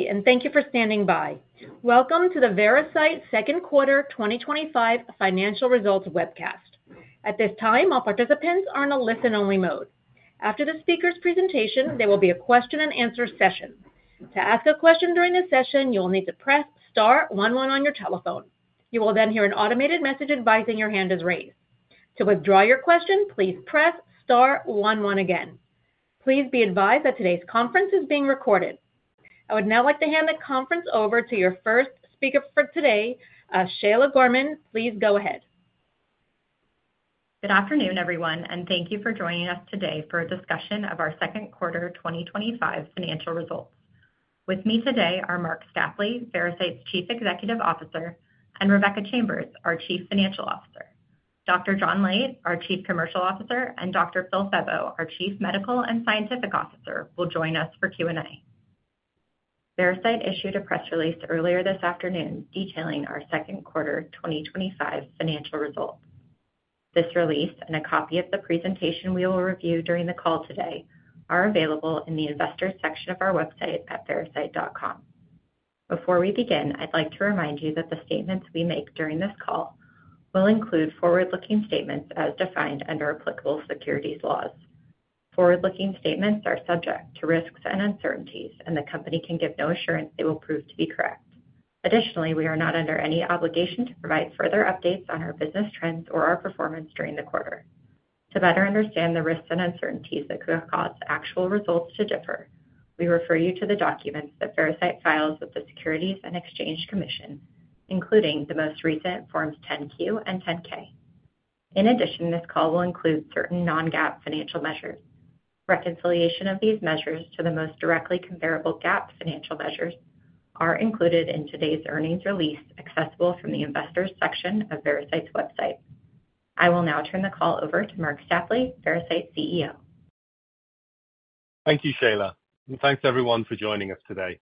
Today, and thank you for standing by. Welcome to the Veracyte second quarter 2025 financial results webcast. At this time, all participants are in a listen-only mode. After the speaker's presentation, there will be a question-and-answer session. To ask a question during this session, you will need to press star one one on your telephone. You will then hear an automated message advising your hand is raised. To withdraw your question, please press star one one again. Please be advised that today's conference is being recorded. I would now like to hand the conference over to your first speaker for today, Shayla Gorman. Please go ahead. Good afternoon, everyone, and thank you for joining us today for a discussion of our second quarter 2025 financial results. With me today are Marc Stapley, Veracyte's Chief Executive Officer, and Rebecca Chambers, our Chief Financial Officer. Dr. John Leite, our Chief Commercial Officer, and Dr. Phillip Febbo, our Chief Medical and Scientific Officer, will join us for Q&A. Veracyte issued a press release earlier this afternoon detailing our second quarter 2025 rinancial results. This release and a copy of the presentation we will review during the call today are available in the investors section of our website at veracyte.com. Before we begin, I'd like to remind you that the statements we make during this call will include forward-looking statements as defined under applicable securities laws. Forward-looking statements are subject to risks and uncertainties, and the company can give no assurance they will prove to be correct. Additionally, we are not under any obligation to provide further updates on our business trends or our performance during the quarter. To better understand the risks and uncertainties that could have caused actual results to differ, we refer you to the documents that Veracyte files with the Securities and Exchange Commission, including the most recent Forms 10-Q and 10-K. In addition, this call will include certain non-GAAP financial measures. Reconciliation of these measures to the most directly comparable GAAP financial measures is included in today's earnings release accessible from the Investors section of Veracyte's website. I will now turn the call over to Marc Stapley, Veracyte's CEO. Thank you, Shayla, and thanks everyone for joining us today.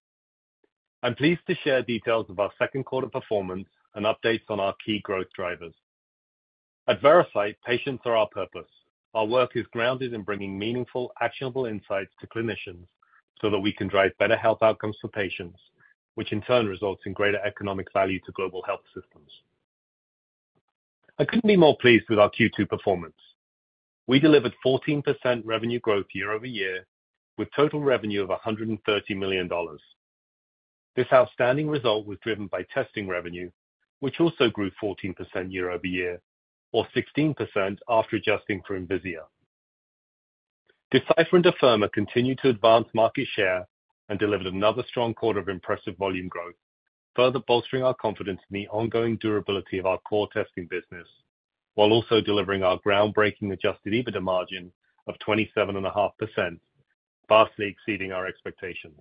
I'm pleased to share details of our second quarter performance and updates on our key growth drivers. At Veracyte, patients are our purpose. Our work is grounded in bringing meaningful, actionable insights to clinicians so that we can drive better health outcomes for patients, which in turn results in greater economic value to global health systems. I couldn't be more pleased with our Q2 performance. We delivered 14% revenue growth year-over-year with total revenue of $130 million. This outstanding result was driven by testing revenue, which also grew 14% year-over-year, or 16% after adjusting for Envisia. Decipher and Afirma continued to advance market share and delivered another strong quarter of impressive volume growth, further bolstering our confidence in the ongoing durability of our core testing business, while also delivering our groundbreaking adjusted EBITDA margin of 27.5%, vastly exceeding our expectations.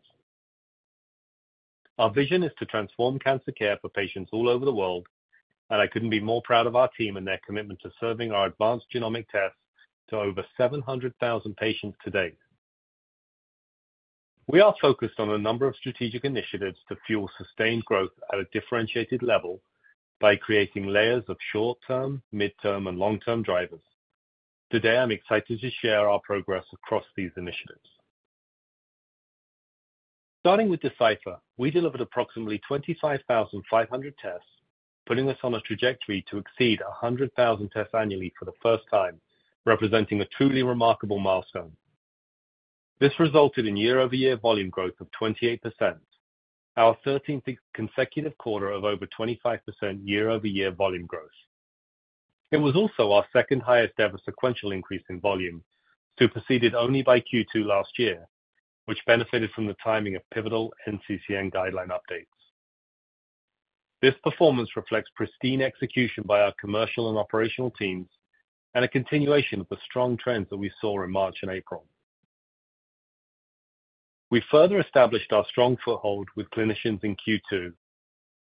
Our vision is to transform cancer care for patients all over the world, and I couldn't be more proud of our team and their commitment to serving our advanced genomic tests to over 700,000 patients to date. We are focused on a number of strategic initiatives to fuel sustained growth at a differentiated level by creating layers of short-term, mid-term, and long-term drivers. Today, I'm excited to share our progress across these initiatives. Starting with Decipher, we delivered approximately 25,500 tests, putting us on a trajectory to exceed 100,000 tests annually for the first time, representing a truly remarkable milestone. This resulted in year-over-year volume growth of 28%, our 13th consecutive quarter of over 25% year-over-year volume growth. It was also our second highest ever sequential increase in volume, superseded only by Q2 last year, which benefited from the timing of pivotal NCCN guideline updates. This performance reflects pristine execution by our commercial and operational teams and a continuation of the strong trends that we saw in March and April. We further established our strong foothold with clinicians in Q2,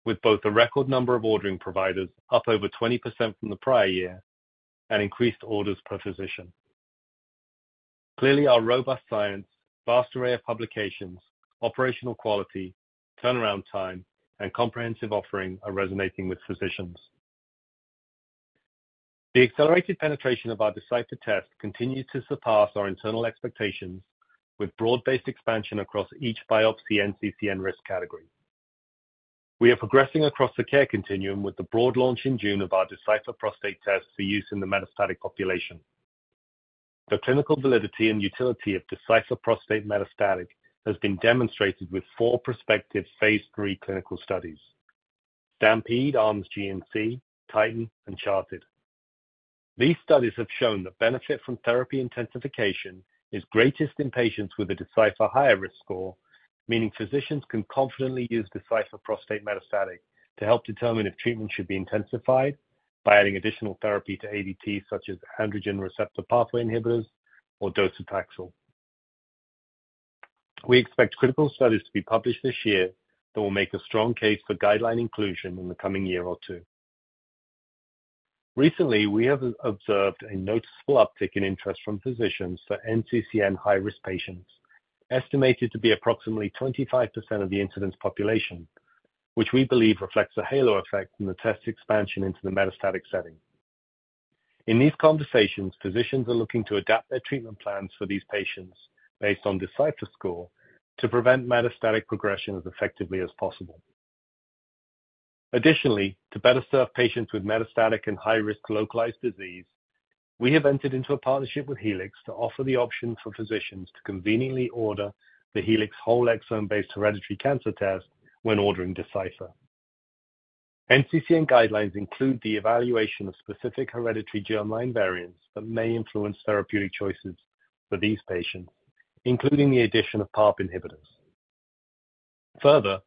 with both the record number of ordering providers up over 20% from the prior year and increased orders per physician. Clearly, our robust science, vast array of publications, operational quality, turnaround time, and comprehensive offering are resonating with physicians. The accelerated penetration of our Decipher tests continues to surpass our internal expectations, with broad-based expansion across each biopsy NCCN risk category. We are progressing across the care continuum with the broad launch in June of our Decipher prostate tests for use in the metastatic population. The clinical validity and utility of Decipher prostate metastatic has been demonstrated with four prospective phase III clinical studies: STAMPEDE, ARASENS, TITAN, and CHAARTED. These studies have shown that benefit from therapy intensification is greatest in patients with a Decipher higher risk score, meaning physicians can confidently use Decipher prostate metastatic to help determine if treatment should be intensified by adding additional therapy to ADT, such as androgen receptor pathway inhibitors or docetaxel. We expect critical studies to be published this year that will make a strong case for guideline inclusion in the coming year or two. Recently, we have observed a noticeable uptick in interest from physicians for NCCN high-risk patients, estimated to be approximately 25% of the incidence population, which we believe reflects a halo effect from the test expansion into the metastatic setting. In these conversations, physicians are looking to adapt their treatment plans for these patients based on Decipher score to prevent metastatic progression as effectively as possible. Additionally, to better serve patients with metastatic and high-risk localized disease, we have entered into a partnership with Helix to offer the option for physicians to conveniently order the Helix whole exome-based hereditary cancer test when ordering Decipher. NCCN guidelines include the evaluation of specific hereditary germline variants that may influence therapeutic choices for these patients, including the addition of PARP inhibitors. Further,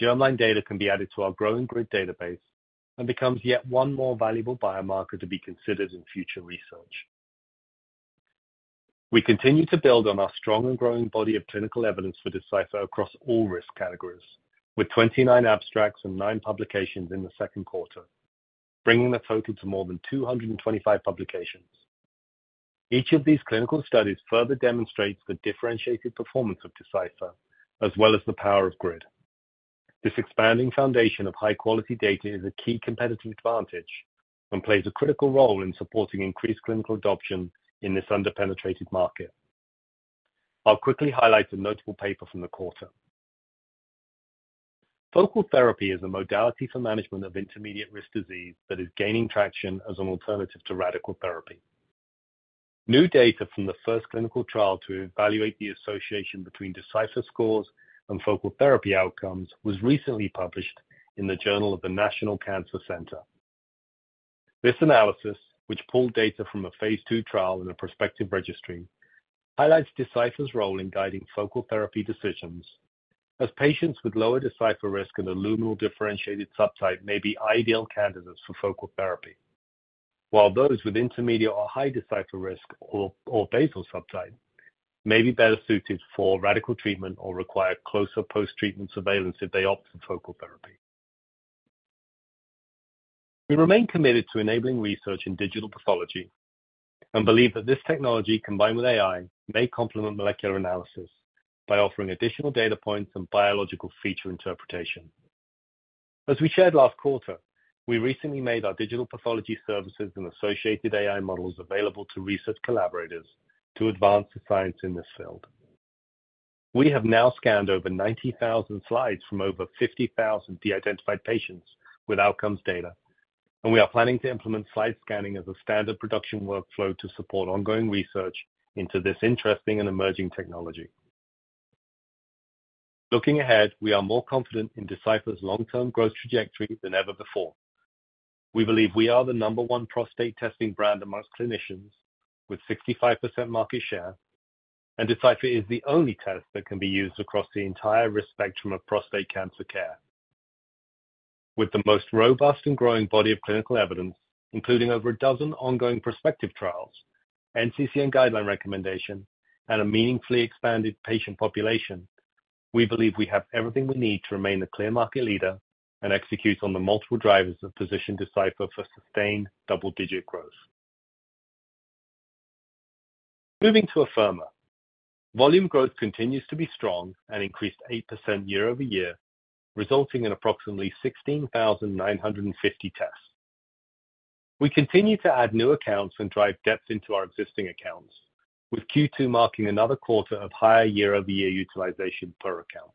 germline data can be added to our growing GRID database and becomes yet one more valuable biomarker to be considered in future research. We continue to build on our strong and growing body of clinical evidence for Decipher across all risk categories, with 29 abstracts and nine publications in the second quarter, bringing the total to more than 225 publications. Each of these clinical studies further demonstrates the differentiated performance of Decipher, as well as the power of GRID. This expanding foundation of high-quality data is a key competitive advantage and plays a critical role in supporting increased clinical adoption in this underpenetrated market. I'll quickly highlight a notable paper from the quarter. Focal therapy is a modality for management of intermediate risk disease that is gaining traction as an alternative to radical therapy. New data from the first clinical trial to evaluate the association between Decipher scores and focal therapy outcomes was recently published in the Journal of the National Cancer Center. This analysis, which pulled data from a phase II trial in a prospective registry, highlights Decipher's role in guiding focal therapy decisions, as patients with lower Decipher risk and a luminal differentiated subtype may be ideal candidates for focal therapy, while those with intermediate or high Decipher risk or basal subtype may be better suited for radical treatment or require closer post-treatment surveillance if they opt for focal therapy. We remain committed to enabling research in digital pathology and believe that this technology, combined with AI, may complement molecular analysis by offering additional data points and biological feature interpretation. As we shared last quarter, we recently made our digital pathology services and associated AI models available to research collaborators to advance the science in this field. We have now scanned over 90,000 slides from over 50,000 deidentified patients with outcomes data, and we are planning to implement slide scanning as a standard production workflow to support ongoing research into this interesting and emerging technology. Looking ahead, we are more confident in Decipher's long-term growth trajectory than ever before. We believe we are the number one prostate testing brand amongst clinicians, with 65% market share, and Decipher is the only test that can be used across the entire risk spectrum of prostate cancer care. With the most robust and growing body of clinical evidence, including over a dozen ongoing prospective trials, NCCN guideline recommendation, and a meaningfully expanded patient population, we believe we have everything we need to remain the clear market leader and execute on the multiple drivers that position Decipher for sustained double-digit growth. Moving to Afirma, volume growth continues to be strong and increased 8% year-over-year, resulting in approximately 16,950 tests. We continue to add new accounts and drive depth into our existing accounts, with Q2 marking another quarter of higher year-over-year utilization per account.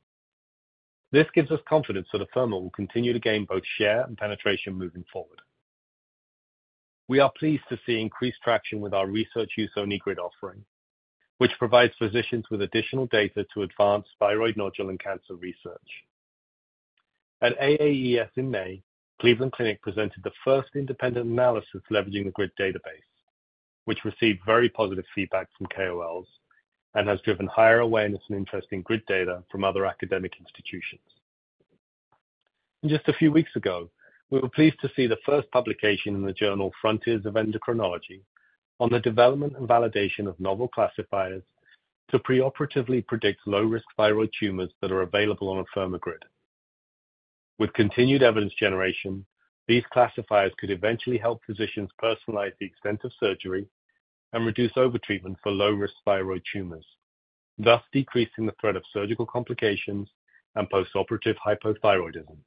This gives us confidence that Afirma will continue to gain both share and penetration moving forward. We are pleased to see increased traction with our research use-only GRID offering, which provides physicians with additional data to advance thyroid nodule and cancer research. At AAES in May, Cleveland Clinic presented the first independent analysis leveraging the GRID database, which received very positive feedback from KOLs and has driven higher awareness and interest in GRID data from other academic institutions. Just a few weeks ago, we were pleased to see the first publication in the journal Frontiers in Endocrinology on the development and validation of novel classifiers to preoperatively predict low-risk thyroid tumors that are available on Afirma GRID. With continued evidence generation, these classifiers could eventually help physicians personalize the extent of surgery and reduce overtreatment for low-risk thyroid tumors, thus decreasing the threat of surgical complications and postoperative hypothyroidism.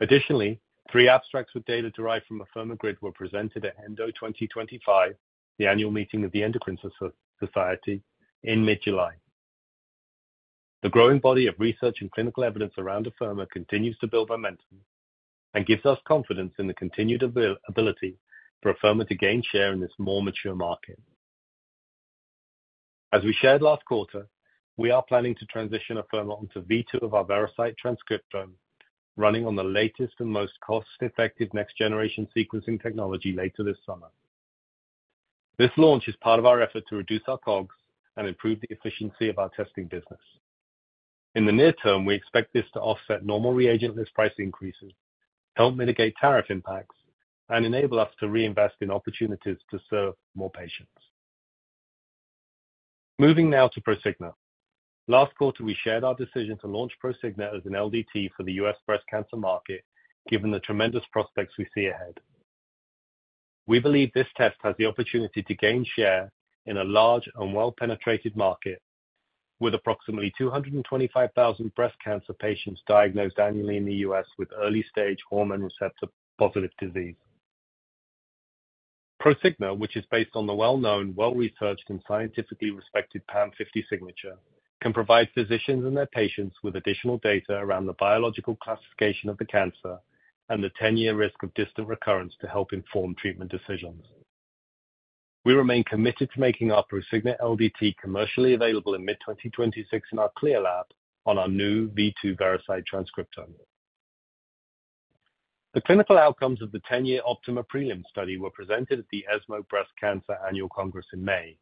Additionally, three abstracts with data derived from Afirma GRID were presented at ENDO 2025, the annual meeting of the Endocrine Society, in mid-July. The growing body of research and clinical evidence around Afirma continues to build momentum and gives us confidence in the continued ability for Afirma to gain share in this more mature market. As we shared last quarter, we are planning to transition Afirma onto V2 of our Veracyte transcriptome, running on the latest and most cost-effective next-generation sequencing technology later this summer. This launch is part of our effort to reduce our COGS and improve the efficiency of our testing business. In the near term, we expect this to offset normal reagent list price increases, help mitigate tariff impacts, and enable us to reinvest in opportunities to serve more patients. Moving now to Prosigna. Last quarter, we shared our decision to launch Prosigna as an LDT for the U.S. breast cancer market, given the tremendous prospects we see ahead. We believe this test has the opportunity to gain share in a large and well-penetrated market, with approximately 225,000 breast cancer patients diagnosed annually in the U.S. with early-stage hormone receptor positive disease. Prosigna, which is based on the well-known, well-researched, and scientifically respected PAM50 signature, can provide physicians and their patients with additional data around the biological classification of the cancer and the 10-year risk of distant recurrence to help inform treatment decisions. We remain committed to making our Prosigna LDT commercially available in mid-2026 in our CLIA lab on our new V2 Veracyte transcriptome. The clinical outcomes of the 10-year OPTIMA prelim study were presented at the ESMO Breast Cancer annual congress in May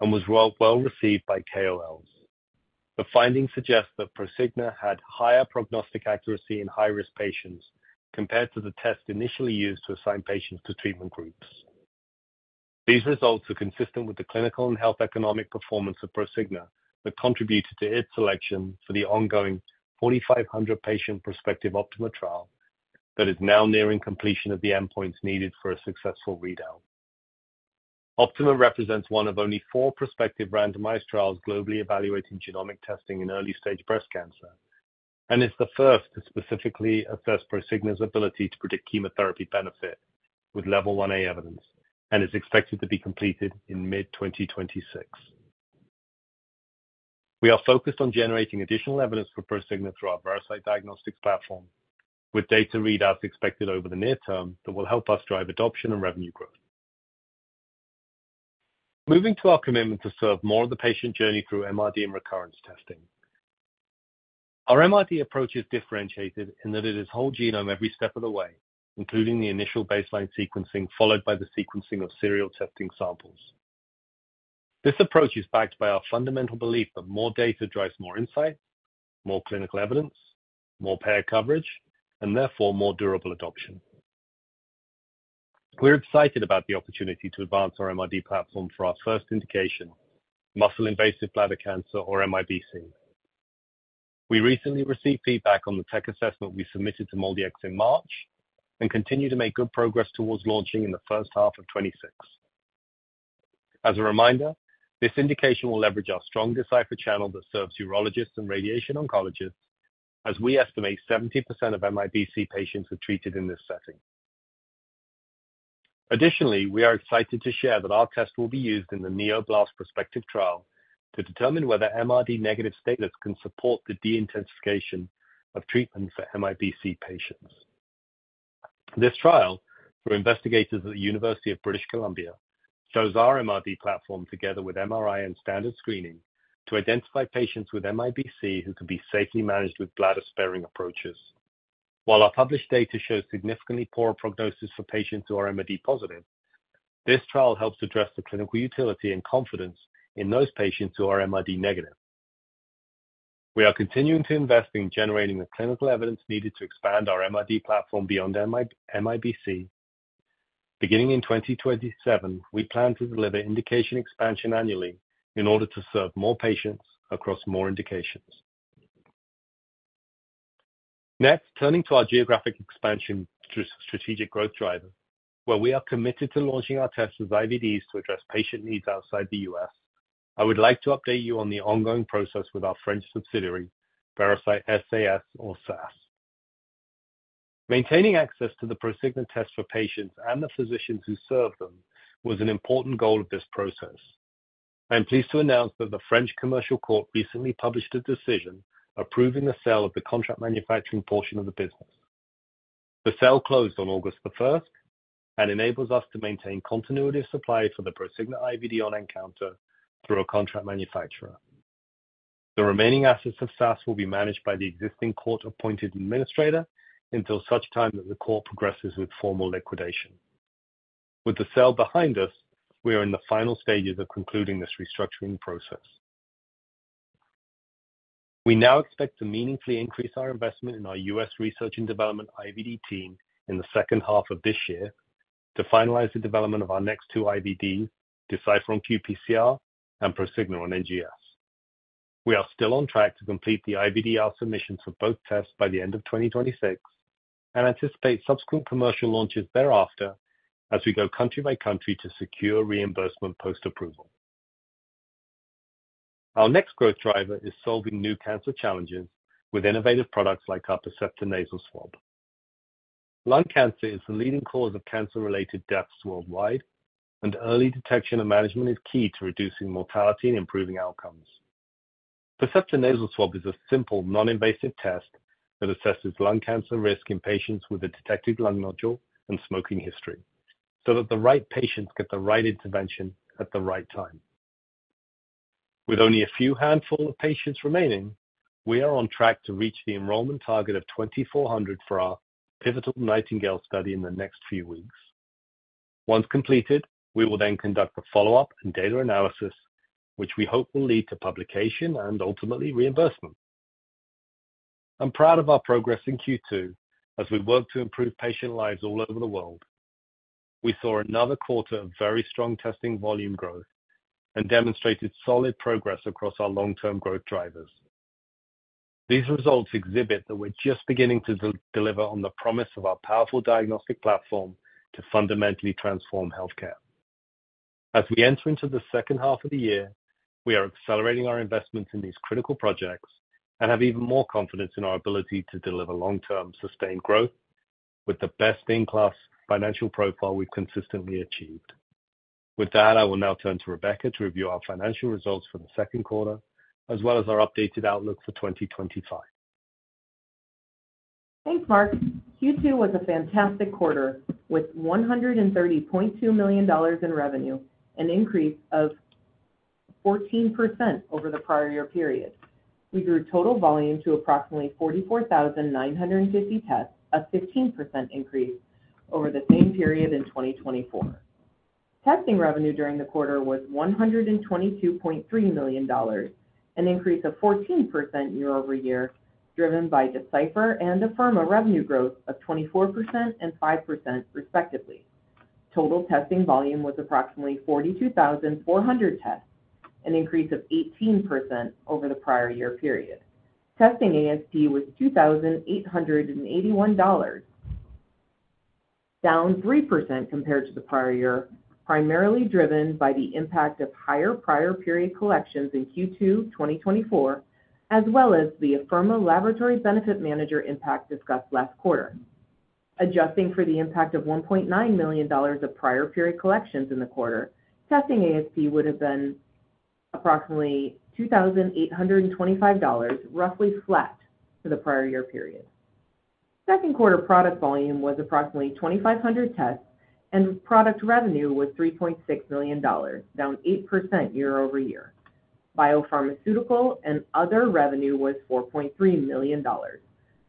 and were well received by KOLs. The findings suggest that Prosigna had higher prognostic accuracy in high-risk patients compared to the test initially used to assign patients to treatment groups. These results are consistent with the clinical and health economic performance of Prosigna that contributed to its selection for the ongoing 4,500 patient prospective OPTIMA trial that is now nearing completion of the endpoints needed for a successful readout. OPTIMA represents one of only four prospective randomized trials globally evaluating genomic testing in early-stage breast cancer and is the first to specifically assess Prosigna's ability to predict chemotherapy benefit with level 1A evidence and is expected to be completed in mid-2026. We are focused on generating additional evidence for Prosigna through our Veracyte diagnostics platform, with data readouts expected over the near term that will help us drive adoption and revenue growth. Moving to our commitment to serve more of the patient journey through MRD and recurrence testing, our MRD approach is differentiated in that it is whole genome every step of the way, including the initial baseline sequencing followed by the sequencing of serial testing samples. This approach is backed by our fundamental belief that more data drives more insight, more clinical evidence, more payer coverage, and therefore more durable adoption. We're excited about the opportunity to advance our MRD platform for our first indication, muscle invasive bladder cancer, or MIBC. We recently received feedback on the tech assessment we submitted to MolDX in March and continue to make good progress towards launching in the first half of 2026. As a reminder, this indication will leverage our strong Decipher channel that serves urologists and radiation oncologists, as we estimate 70% of MIBC patients are treated in this setting. Additionally, we are excited to share that our test will be used in the NEO-BLAST prospective trial to determine whether MRD negative statements can support the deintensification of treatments for MIBC patients. This trial, through investigators at the University of British Columbia, shows our MRD platform together with MRI and standard screening to identify patients with MIBC who can be safely managed with bladder-sparing approaches. While our published data shows significantly poorer prognoses for patients who are MRD positive, this trial helps address the clinical utility and confidence in those patients who are MRD negative. We are continuing to invest in generating the clinical evidence needed to expand our MRD platform beyond MIBC. Beginning in 2027, we plan to deliver indication expansion annually in order to serve more patients across more indications. Next, turning to our geographic expansion strategic growth driver, where we are committed to launching our tests as IVDs to address patient needs outside the U.S., I would like to update you on the ongoing process with our French subsidiary, Veracyte SAS. Maintaining access to the Prosigna test for patients and the physicians who serve them was an important goal of this process. I am pleased to announce that the French commercial court recently published a decision approving the sale of the contract manufacturing portion of the business. The sale closed on August 1st and enables us to maintain continuity of supply for the Prosigna IVD on encounter through a contract manufacturer. The remaining assets of SAS will be managed by the existing court-appointed administrator until such time that the court progresses with formal liquidation. With the sale behind us, we are in the final stages of concluding this restructuring process. We now expect to meaningfully increase our investment in our U.S. research and development IVD team in the second half of this year to finalize the development of our next two IVDs, Decipher on qPCR and Prosigna on NGS. We are still on track to complete the IVDR submissions for both tests by the end of 2026 and anticipate subsequent commercial launches thereafter as we go country by country to secure reimbursement post-approval. Our next growth driver is solving new cancer challenges with innovative products like our Percepta nasal swab. Lung cancer is the leading cause of cancer-related deaths worldwide, and early detection and management is key to reducing mortality and improving outcomes. Percepta nasal swab is a simple, non-invasive test that assesses lung cancer risk in patients with a detected lung nodule and smoking history so that the right patients get the right intervention at the right time. With only a handful of patients remaining, we are on track to reach the enrollment target of 2,400 for our pivotal NIGHTINGALE study in the next few weeks. Once completed, we will then conduct a follow-up and data analysis, which we hope will lead to publication and ultimately reimbursement. I'm proud of our progress in Q2 as we work to improve patient lives all over the world. We saw another quarter of very strong testing volume growth and demonstrated solid progress across our long-term growth drivers. These results exhibit that we're just beginning to deliver on the promise of our powerful diagnostic platform to fundamentally transform healthcare. As we enter into the second half of the year, we are accelerating our investments in these critical projects and have even more confidence in our ability to deliver long-term sustained growth with the best-in-class financial profile we've consistently achieved. With that, I will now turn to Rebecca to review our financial results for the second quarter, as well as our updated outlook for 2025. Thanks, Marc. Q2 was a fantastic quarter with $130.2 million in revenue, an increase of 14% over the prior year period. We grew total volume to approximately 44,950 tests, a 15% increase over the same period in 2024. Testing revenue during the quarter was $122.3 million, an increase of 14% year-over-year, driven by Decipher and Afirma revenue growth of 24% and 5% respectively. Total testing volume was approximately 42,400 tests, an increase of 18% over the prior year period. Testing ASP was $2,881, down 3% compared to the prior year, primarily driven by the impact of higher prior period collections in Q2 2024, as well as the Afirma Laboratory Benefit Manager impact discussed last quarter. Adjusting for the impact of $1.9 million of prior period collections in the quarter, testing ASP would have been approximately $2,825, roughly flat to the prior year period. Second quarter product volume was approximately 2,500 tests, and product revenue was $3.6 million, down 8% year-over-year. Biopharmaceutical and other revenue was $4.3 million,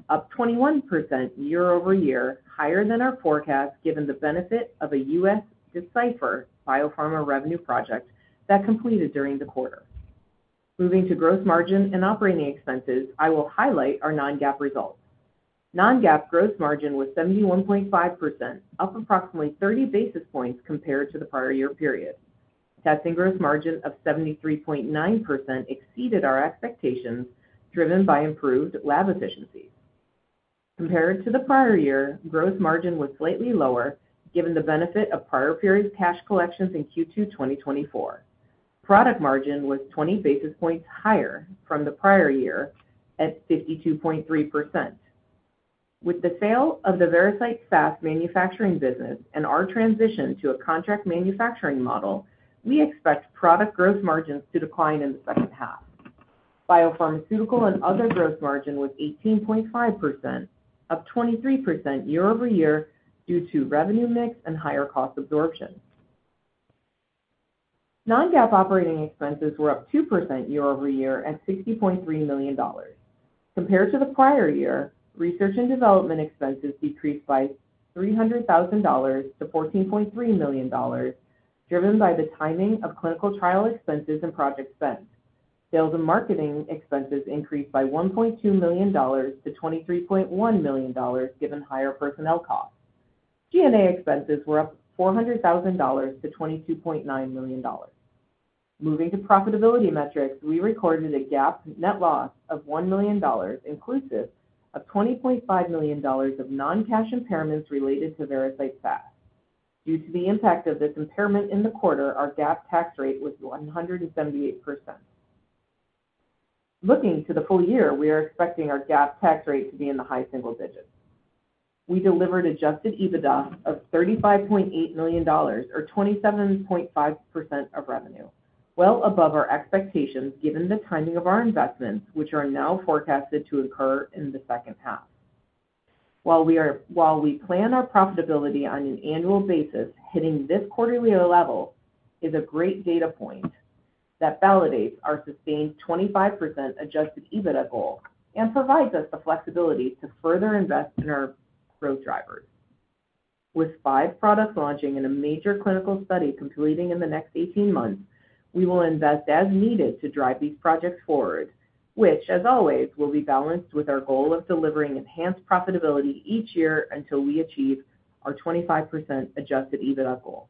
up 21% year-over-year, higher than our forecast, given the benefit of a U.S. Decipher biopharma revenue project that completed during the quarter. Moving to gross margin and operating expenses, I will highlight our non-GAAP results. Non-GAAP gross margin was 71.5%, up approximately 30 basis points compared to the prior year period. Testing gross margin of 73.9% exceeded our expectations, driven by improved lab efficiency. Compared to the prior year, gross margin was slightly lower, given the benefit of prior period cash collections in Q2 2024. Product margin was 20 basis points higher from the prior year at 52.3%. With the sale of the Veracyte SAS manufacturing business and our transition to a contract manufacturing model, we expect product gross margins to decline in the second half. Biopharmaceutical and other gross margin was 18.5%, up 23% year-over-year due to revenue mix and higher cost absorption. Non-GAAP operating expenses were up 2% year-over-year at $60.3 million. Compared to the prior year, research and development expenses decreased by $300,000 to $14.3 million, driven by the timing of clinical trial expenses and project spend. Sales and marketing expenses increased by $1.2 million to $23.1 million, given higher personnel costs. G&A expenses were up $400,000 to $22.9 million. Moving to profitability metrics, we recorded a GAAP net loss of $1 million, inclusive of $20.5 million of non-cash impairments related to Veracyte SAS. Due to the impact of this impairment in the quarter, our GAAP tax rate was 178%. Looking to the full year, we are expecting our GAAP tax rate to be in the high single digits. We delivered adjusted EBITDA of $35.8 million, or 27.5% of revenue, well above our expectations given the timing of our investments, which are now forecasted to occur in the second half. While we plan our profitability on an annual basis, hitting this quarterly level is a great data point that validates our sustained 25% adjusted EBITDA goal and provides us the flexibility to further invest in our growth drivers. With five products launching and a major clinical study completing in the next 18 months, we will invest as needed to drive these projects forward, which, as always, will be balanced with our goal of delivering enhanced profitability each year until we achieve our 25% adjusted EBITDA goal.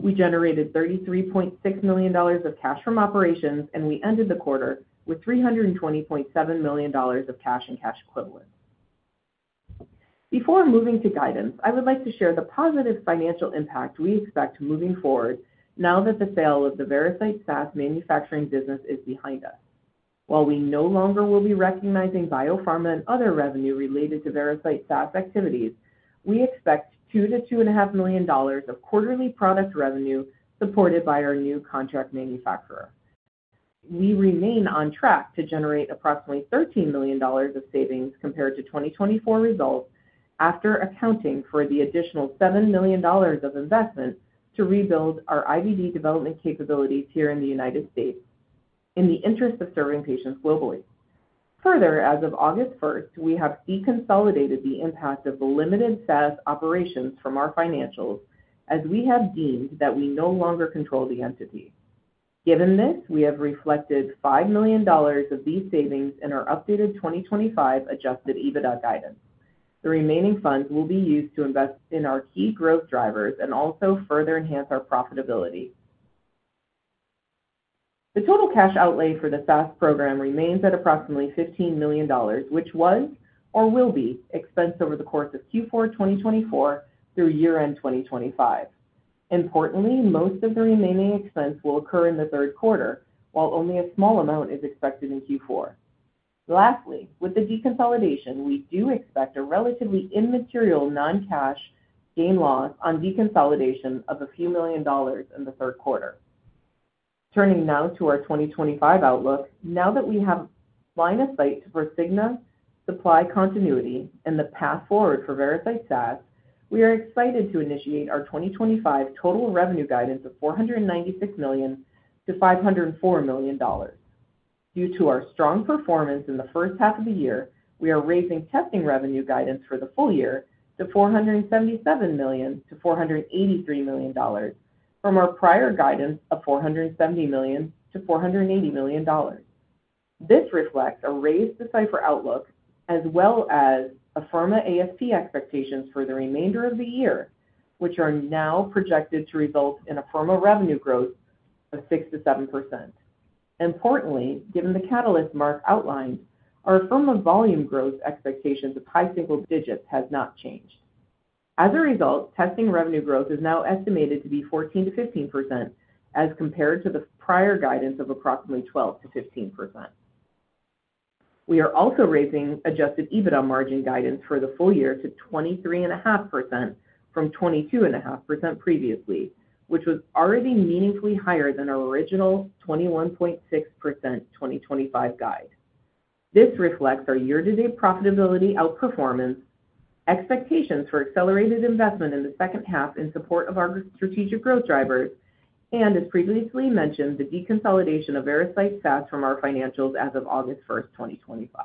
We generated $33.6 million of cash from operations, and we ended the quarter with $320.7 million of cash and cash equivalents. Before moving to guidance, I would like to share the positive financial impact we expect moving forward now that the sale of the Veracyte SAS manufacturing business is behind us. While we no longer will be recognizing biopharma and other revenue related to Veracyte SAS activities, we expect $2 million-$2.5 million of quarterly product revenue supported by our new contract manufacturer. We remain on track to generate approximately $13 million of savings compared to 2024 results after accounting for the additional $7 million of investment to rebuild our IVD development capabilities here in the United States in the interest of serving patients globally. Further, as of August 1st, we have deconsolidated the impact of the limited SAS operations from our financials as we have deemed that we no longer control the entity. Given this, we have reflected $5 million of these savings in our updated 2025 adjusted EBITDA guidance. The remaining funds will be used to invest in our key growth drivers and also further enhance our profitability. The total cash outlay for the SAS program remains at approximately $15 million, which was or will be expensed over the course of Q4 2024 through year-end 2025. Importantly, most of the remaining expense will occur in the third quarter, while only a small amount is expected in Q4. Lastly, with the deconsolidation, we do expect a relatively immaterial non-cash gain or loss on deconsolidation of a few million dollars in the third quarter. Turning now to our 2025 outlook, now that we have line of sight to Prosigna supply continuity and the path forward for Veracyte SAS, we are excited to initiate our 2025 total revenue guidance of $496 million-$504 million. Due to our strong performance in the first half of the year, we are raising testing revenue guidance for the full year to $477 million-$483 million from our prior guidance of $470 million-$480 million. This reflects a raised Decipher outlook as well as Afirma AST expectations for the remainder of the year, which are now projected to result in Afirma revenue growth of 6%-7%. Importantly, given the catalyst Marc outlined, our Afirma volume growth expectations of high single digits have not changed. As a result, testing revenue growth is now estimated to be 14%-15% as compared to the prior guidance of approximately 12%-15%. We are also raising adjusted EBITDA margin guidance for the full year to 23.5% from 22.5% previously, which was already meaningfully higher than our original 21.6% 2025 guide. This reflects our year-to-date profitability outperformance, expectations for accelerated investment in the second half in support of our strategic growth drivers, and as previously mentioned, the deconsolidation of Veracyte SAS from our financials as of August 1st, 2025.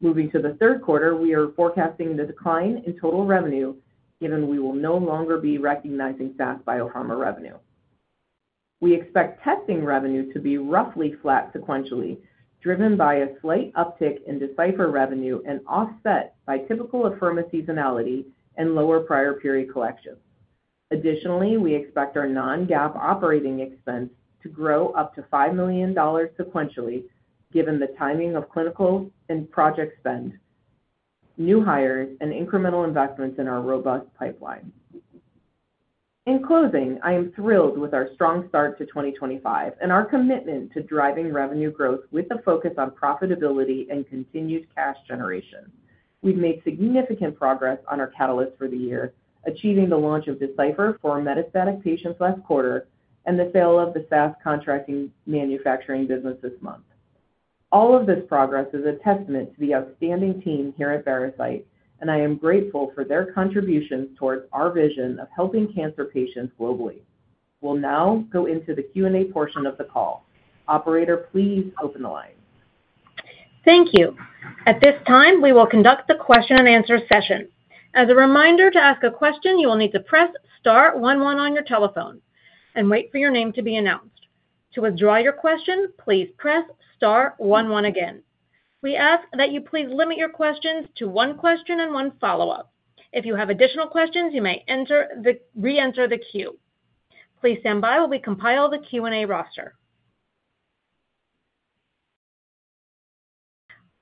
Moving to the third quarter, we are forecasting the decline in total revenue given we will no longer be recognizing SAS biopharma revenue. We expect testing revenue to be roughly flat sequentially, driven by a slight uptick in Decipher revenue and offset by typical Afirma seasonality and lower prior period collections. Additionally, we expect our non-GAAP operating expense to grow up to $5 million sequentially given the timing of clinical and project spend, new hires, and incremental investments in our robust pipeline. In closing, I am thrilled with our strong start to 2025 and our commitment to driving revenue growth with a focus on profitability and continued cash generation. We've made significant progress on our catalyst for the year, achieving the launch of Decipher for metastatic patients last quarter and the sale of the SAS contract manufacturing business this month. All of this progress is a testament to the outstanding team here at Veracyte, and I am grateful for their contributions towards our vision of helping cancer patients globally. We'll now go into the Q&A portion of the call. Operator, please open the line. Thank you. At this time, we will conduct the question and answer session. As a reminder, to ask a question, you will need to press star one one on your telephone and wait for your name to be announced. To withdraw your question, please press star one one again. We ask that you please limit your questions to one question and one follow-up. If you have additional questions, you may re-enter the queue. Please stand by while we compile the Q&A roster.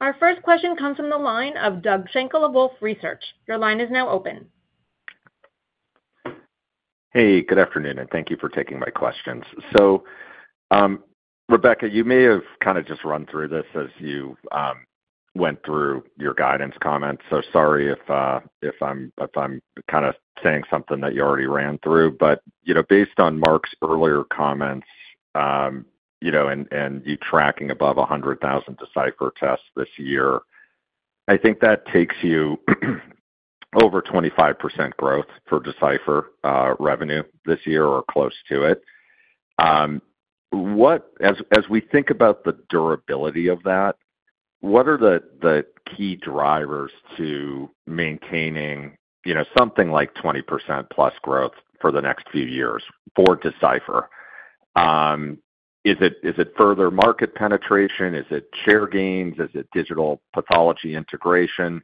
Our first question comes from the line of Doug Schenkel of Wolfe Research. Your line is now open. Hey, good afternoon, and thank you for taking my questions. Rebecca, you may have kind of just run through this as you went through your guidance comments. Sorry if I'm kind of saying something that you already ran through. Based on Marc's earlier comments, and you tracking above 100,000 Decipher tests this year, I think that takes you over 25% growth for Decipher revenue this year or close to it. As we think about the durability of that, what are the key drivers to maintaining something like 20%+ growth for the next few years for Decipher? Is it further market penetration? Is it share gains? Is it digital pathology integration?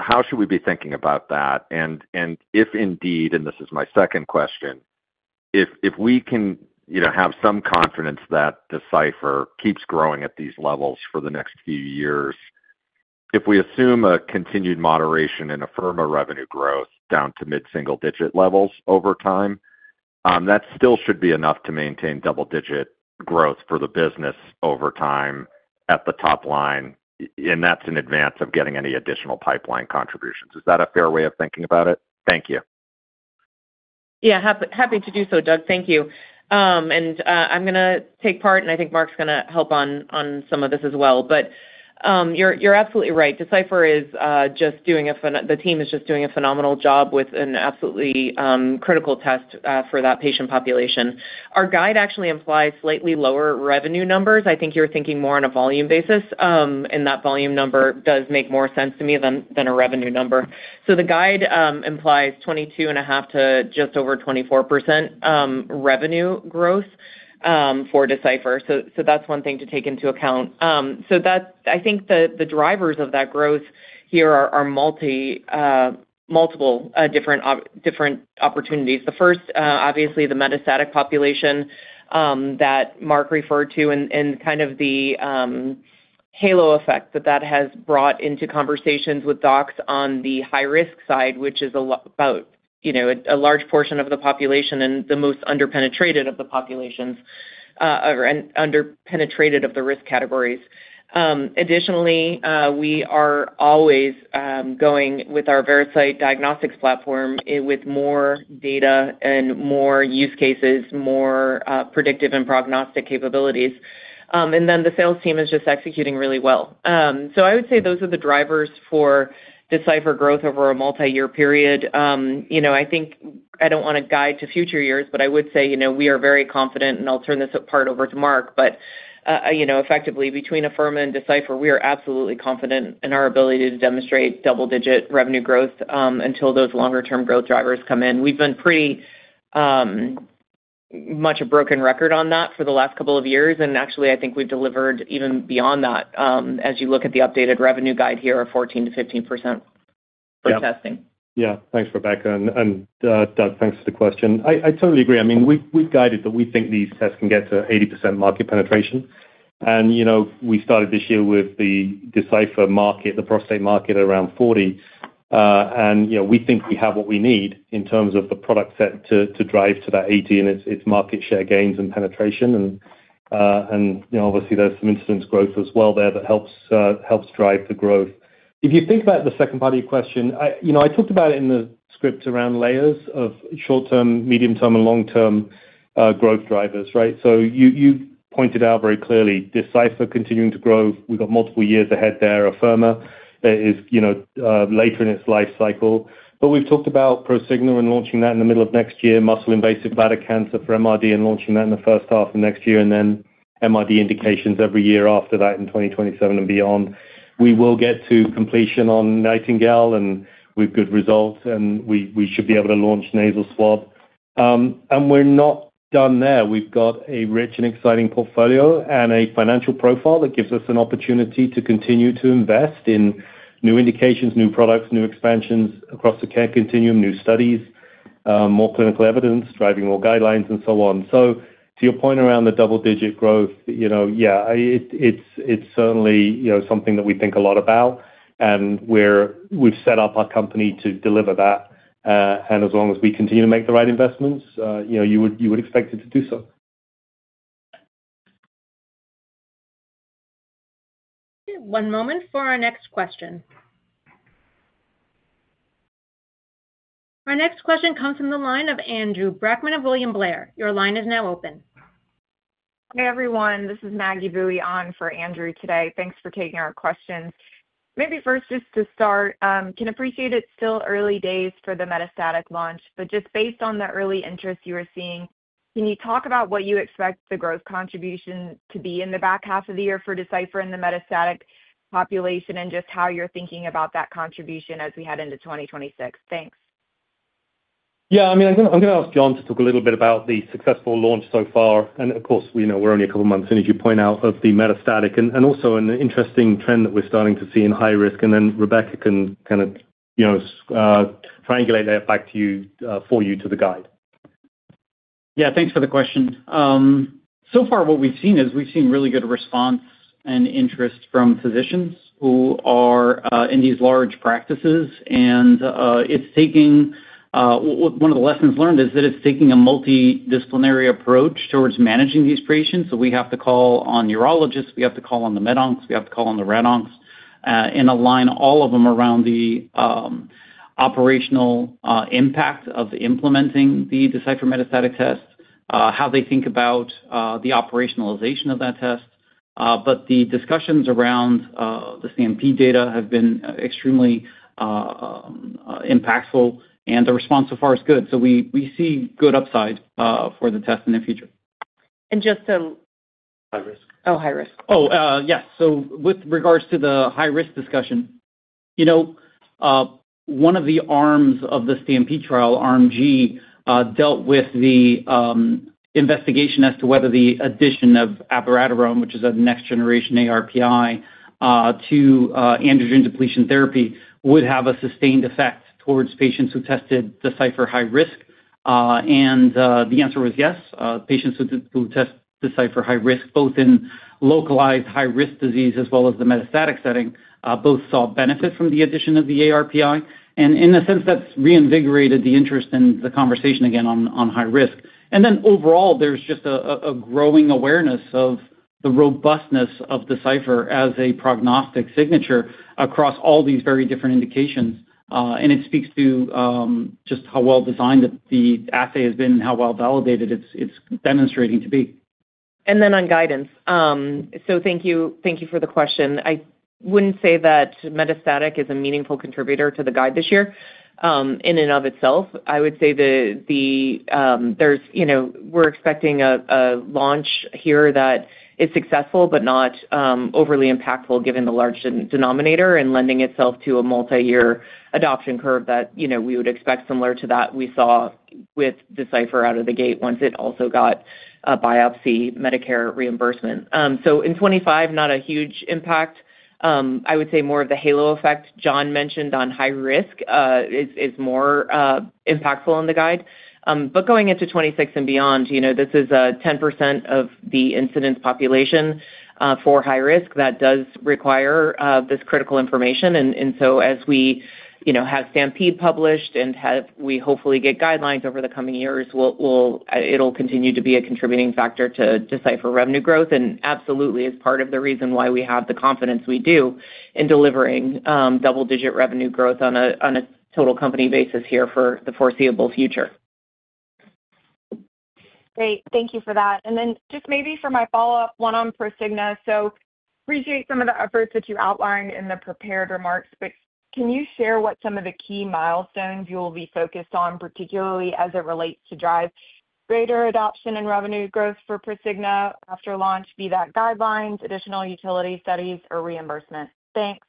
How should we be thinking about that? If indeed, and this is my second question, if we can have some confidence that Decipher keeps growing at these levels for the next few years, if we assume a continued moderation in Afirma revenue growth down to mid-single digit levels over time, that still should be enough to maintain double-digit growth for the business over time at the top line. That's in advance of getting any additional pipeline contributions. Is that a fair way of thinking about it? Thank you. Yeah, happy to do so, Doug. Thank you. I'm going to take part, and I think Marc's going to help on some of this as well. You're absolutely right. Decipher is just doing a, the team is just doing a phenomenal job with an absolutely critical test for that patient population. Our guide actually implies slightly lower revenue numbers. I think you're thinking more on a volume basis, and that volume number does make more sense to me than a revenue number. The guide implies 22.5% to just over 24% revenue growth for Decipher. That's one thing to take into account. I think the drivers of that growth here are multiple different opportunities. The first, obviously, the metastatic population that Marc referred to and kind of the halo effect that that has brought into conversations with docs on the high-risk side, which is about a large portion of the population and the most underpenetrated of the populations and underpenetrated of the risk categories. Additionally, we are always going with our Veracyte diagnostics platform with more data and more use cases, more predictive and prognostic capabilities. The sales team is just executing really well. I would say those are the drivers for Decipher growth over a multi-year period. I don't want to guide to future years, but I would say we are very confident, and I'll turn this part over to Marc. Effectively, between Afirma and Decipher, we are absolutely confident in our ability to demonstrate double-digit revenue growth until those longer-term growth drivers come in. We've been pretty much a broken record on that for the last couple of years. I think we've delivered even beyond that as you look at the updated revenue guide here of 14%-15% for testing. Yeah, thanks, Rebecca. And Doug, thanks for the question. I totally agree. I mean, we've guided that we think these tests can get to 80% market penetration. You know, we started this year with the Decipher market, the prostate market around 40%. You know, we think we have what we need in terms of the product set to drive to that 80%, and it's market share gains and penetration. You know, obviously, there's some incidence growth as well there that helps drive the growth. If you think about the second part of your question, I talked about it in the script around layers of short-term, medium-term, and long-term growth drivers, right? You pointed out very clearly, Decipher continuing to grow. We've got multiple years ahead there. Afirma is, you know, later in its life cycle. We've talked about Prosigna and launching that in the middle of next year, muscle invasive bladder cancer for MRD and launching that in the first half of next year, and then MRD indications every year after that in 2027 and beyond. We will get to completion on NIGHTINGALE, and with good results, we should be able to launch nasal swab. We're not done there. We've got a rich and exciting portfolio and a financial profile that gives us an opportunity to continue to invest in new indications, new products, new expansions across the care continuum, new studies, more clinical evidence, driving more guidelines, and so on. To your point around the double-digit growth, yeah, it's certainly, you know, something that we think a lot about. We've set up our company to deliver that. As long as we continue to make the right investments, you know, you would expect it to do so. One moment for our next question. Our next question comes from the line of Andrew Brackmann of William Blair. Your line is now open. Hey, everyone. This is Maggie Boeye on for Andrew today. Thanks for taking our questions. Maybe first just to start, can appreciate it's still early days for the metastatic launch, but just based on the early interest you are seeing, can you talk about what you expect the growth contribution to be in the back half of the year for Decipher in the metastatic population and just how you're thinking about that contribution as we head into 2026? Thanks. Yeah, I mean, I'm going to ask John to talk a little bit about the successful launch so far. Of course, you know, we're only a couple of months in, as you point out, of the metastatic and also an interesting trend that we're starting to see in high risk. Rebecca can kind of, you know, triangulate that back to you for you to the guide. Yeah, thanks for the question. So far, what we've seen is we've seen really good response and interest from physicians who are in these large practices. It's taking one of the lessons learned that it's taking a multidisciplinary approach towards managing these patients. We have to call on urologists, we have to call on the med oncs, we have to call on the rad oncs, and align all of them around the operational impact of implementing the Decipher metastatic test, how they think about the operationalization of that test. The discussions around the CMP data have been extremely impactful, and the response so far is good. We see good upside for the test in the future. Just to. High risk. Oh, high risk. Yes, with regards to the high risk discussion, one of the arms of the STAMPEDE trial, Arm G, dealt with the investigation as to whether the addition of abiraterone, which is a next-generation ARPI, to androgen depletion therapy would have a sustained effect towards patients who tested Decipher high risk. The answer was yes. Patients who tested Decipher high risk, both in localized high-risk disease as well as the metastatic setting, both saw benefit from the addition of the ARPI. In a sense, that's reinvigorated the interest in the conversation again on high risk. Overall, there's just a growing awareness of the robustness of Decipher as a prognostic signature across all these very different indications. It speaks to just how well designed the assay has been and how well validated it's demonstrating to be. Thank you for the question. I wouldn't say that metastatic is a meaningful contributor to the guide this year in and of itself. We're expecting a launch here that is successful but not overly impactful given the large denominator and lending itself to a multi-year adoption curve that we would expect similar to that we saw with Decipher out of the gate once it also got a biopsy Medicare reimbursement. In 2025, not a huge impact. More of the halo effect John mentioned on high risk is more impactful on the guide. Going into 2026 and beyond, this is a 10% of the incidence population for high risk that does require this critical information. As we have STAMPEDE published and we hopefully get guidelines over the coming years, it'll continue to be a contributing factor to Decipher revenue growth and absolutely is part of the reason why we have the confidence we do in delivering double-digit revenue growth on a total company basis here for the foreseeable future. Great. Thank you for that. Maybe for my follow-up one on Prosigna. I appreciate some of the efforts that you outlined in the prepared remarks, but can you share what some of the key milestones you will be focused on, particularly as it relates to drive greater adoption and revenue growth for Prosigna after launch, be that guidelines, additional utility studies, or reimbursement? Thanks.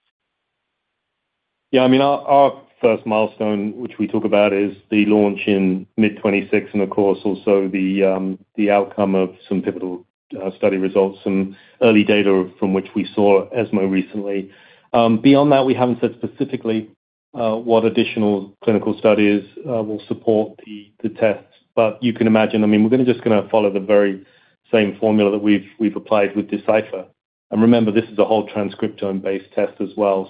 Yeah, I mean, our first milestone, which we talk about, is the launch in mid-2026, and of course also the outcome of some pivotal study results, some early data from which we saw at ESMO recently. Beyond that, we haven't said specifically what additional clinical studies will support the tests. You can imagine, I mean, we're going to follow the very same formula that we've applied with Decipher. Remember, this is the whole transcriptome-based test as well.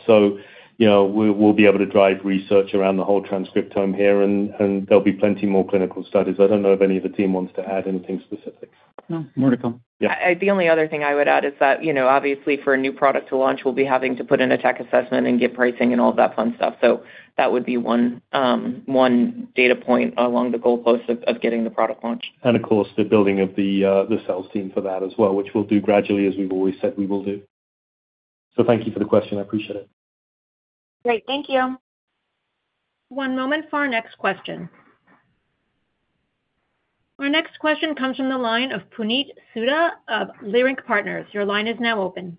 We'll be able to drive research around the whole transcriptome here, and there will be plenty more clinical studies. I don't know if any of the team wants to add anything specific. No, more to come. The only other thing I would add is that, obviously for a new product to launch, we'll be having to put in a tech assessment and get pricing and all of that fun stuff. That would be one data point along the goalpost of getting the product launched. The building of the sales team for that as well, which we'll do gradually, as we've always said we will do. Thank you for the question. I appreciate it. Great. Thank you. One moment for our next question. Our next question comes from the line of Puneet Souda of Leerink Partners. Your line is now open.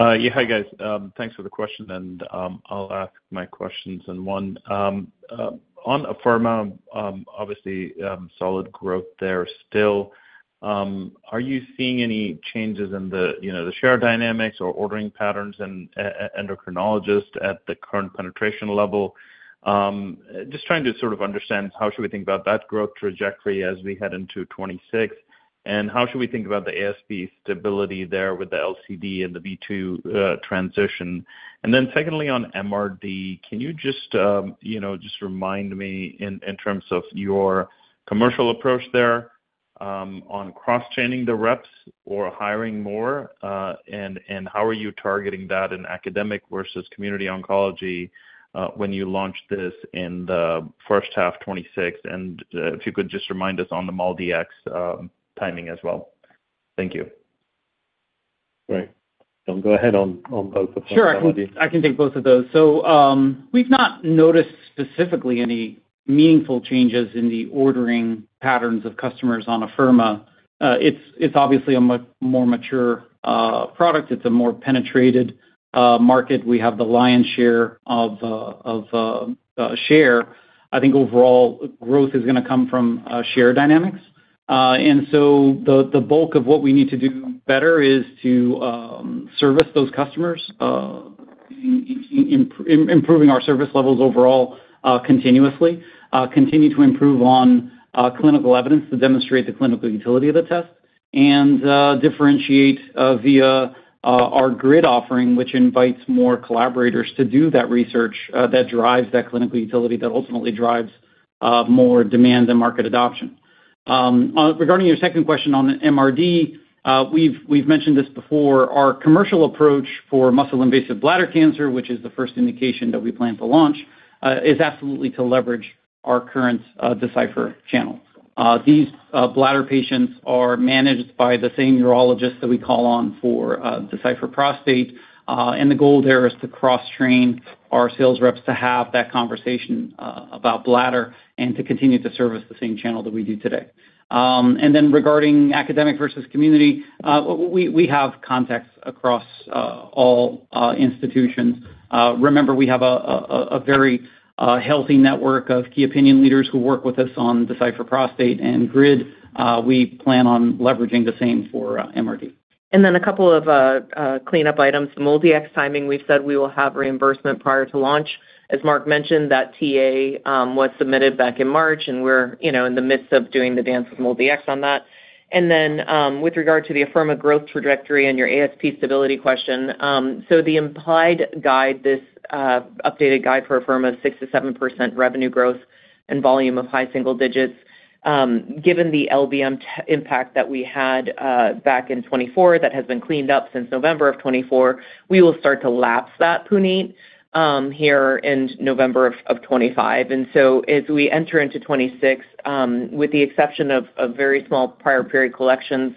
Yeah, hi guys. Thanks for the question. I'll ask my questions in one. On Afirma, obviously solid growth there still. Are you seeing any changes in the share dynamics or ordering patterns in endocrinologists at the current penetration level? Just trying to sort of understand how should we think about that growth trajectory as we head into 2026? How should we think about the ASP stability there with the LCD and the V2 transition? Secondly, on MRD, can you just remind me in terms of your commercial approach there on cross-training the reps or hiring more? How are you targeting that in academic versus community oncology when you launch this in the first half of 2026? If you could just remind us on the MolDX timing as well. Thank you. Right. Go ahead on both the first and MRD. Sure, I can take both of those. We've not noticed specifically any meaningful changes in the ordering patterns of customers on Afirma. It's obviously a more mature product. It's a more penetrated market. We have the lion's share of share. I think overall growth is going to come from share dynamics. The bulk of what we need to do better is to service those customers, improving our service levels overall continuously, continue to improve on clinical evidence to demonstrate the clinical utility of the test, and differentiate via our GRID offering, which invites more collaborators to do that research that drives that clinical utility that ultimately drives more demand and market adoption. Regarding your second question on MRD, we've mentioned this before. Our commercial approach for muscle invasive bladder cancer, which is the first indication that we plan to launch, is absolutely to leverage our current Decipher channel. These bladder patients are managed by the same urologists that we call on for Decipher prostate. The goal there is to cross-train our sales reps to have that conversation about bladder and to continue to service the same channel that we do today. Regarding academic versus community, we have contacts across all institutions. Remember, we have a very healthy network of key opinion leaders who work with us on Decipher prostate and GRID. We plan on leveraging the same for MRD. A couple of cleanup items. MolDX timing, we've said we will have reimbursement prior to launch. As Marc mentioned, that TA was submitted back in March, and we're in the midst of doing the dance with MolDX on that. With regard to the Afirma growth trajectory and your ASP stability question, the implied guide, this updated guide for Afirma of 6%-7% revenue growth and volume of high single digits, given the LBM impact that we had back in 2024 that has been cleaned up since November of 2024, we will start to lapse that, Puneet, here in November of 2025. As we enter into 2026, with the exception of very small prior period collections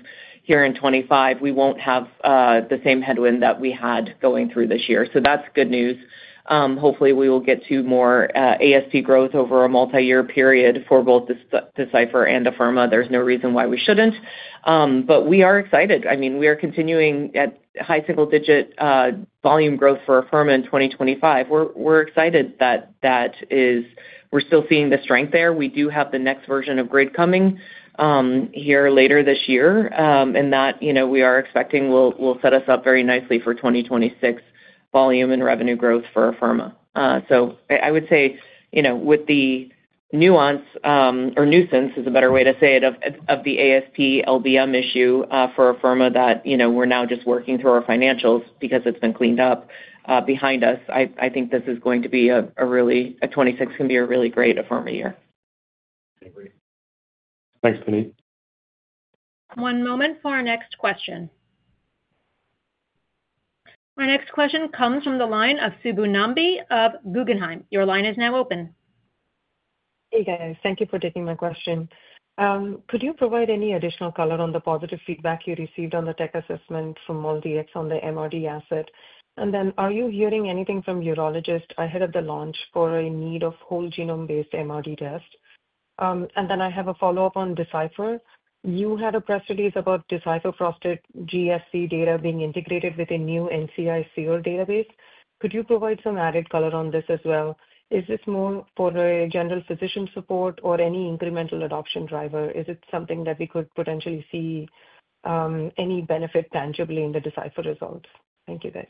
here in 2025, we won't have the same headwind that we had going through this year. That's good news. Hopefully, we will get to more ASP growth over a multi-year period for both Decipher and Afirma. There's no reason why we shouldn't. We are excited. We are continuing at high single-digit volume growth for Afirma in 2025. We're excited that we're still seeing the strength there. We do have the next version of GRID coming here later this year, and that, you know, we are expecting will set us up very nicely for 2026 volume and revenue growth for Afirma. I would say, with the nuance, or nuisance is a better way to say it, of the ASP LBM issue for Afirma that we're now just working through our financials because it's been cleaned up behind us. I think this is going to be a really, 2026 can be a really great Afirma year. Thanks, Puneet. One moment for our next question. Our next question comes from the line of Subbu Nambi of Guggenheim. Your line is now open. Hey, guys. Thank you for taking my question. Could you provide any additional color on the positive feedback you received on the tech assessment from MolDX on the MRD asset? Are you hearing anything from urologists ahead of the launch for a need of whole genome-based MRD test? I have a follow-up on Decipher. You had a press release about Decipher prostate GSC data being integrated with a new NCI SEER database. Could you provide some added color on this as well? Is this more for a general physician support or any incremental adoption driver? Is it something that we could potentially see any benefit tangibly in the Decipher result? Thank you, guys.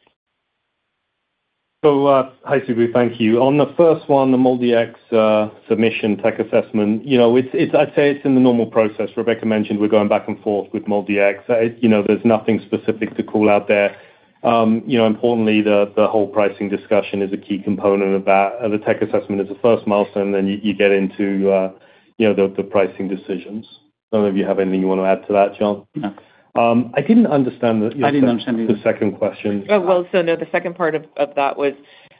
Hi Subbu, thank you. On the first one, the MolDX submission tech assessment, I'd say it's in the normal process. Rebecca mentioned we're going back and forth with MolDX. There's nothing specific to call out there. Importantly, the whole pricing discussion is a key component of that. The tech assessment is the first milestone. You get into the pricing decisions after that. I don't know if you have anything you want to add to that, John. I didn't understand the second question.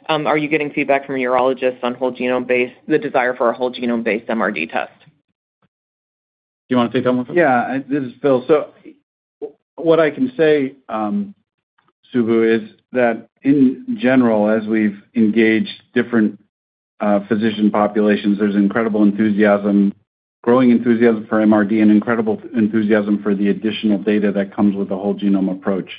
Are you getting feedback from urologists on whole genome-based, the desire for a whole genome-based MRD test? Do you want to take that one, Phillip? Yeah, this is Phil. What I can say, Subbu, is that in general, as we've engaged different physician populations, there's incredible enthusiasm, growing enthusiasm for MRD, and incredible enthusiasm for the additional data that comes with the whole genome approach.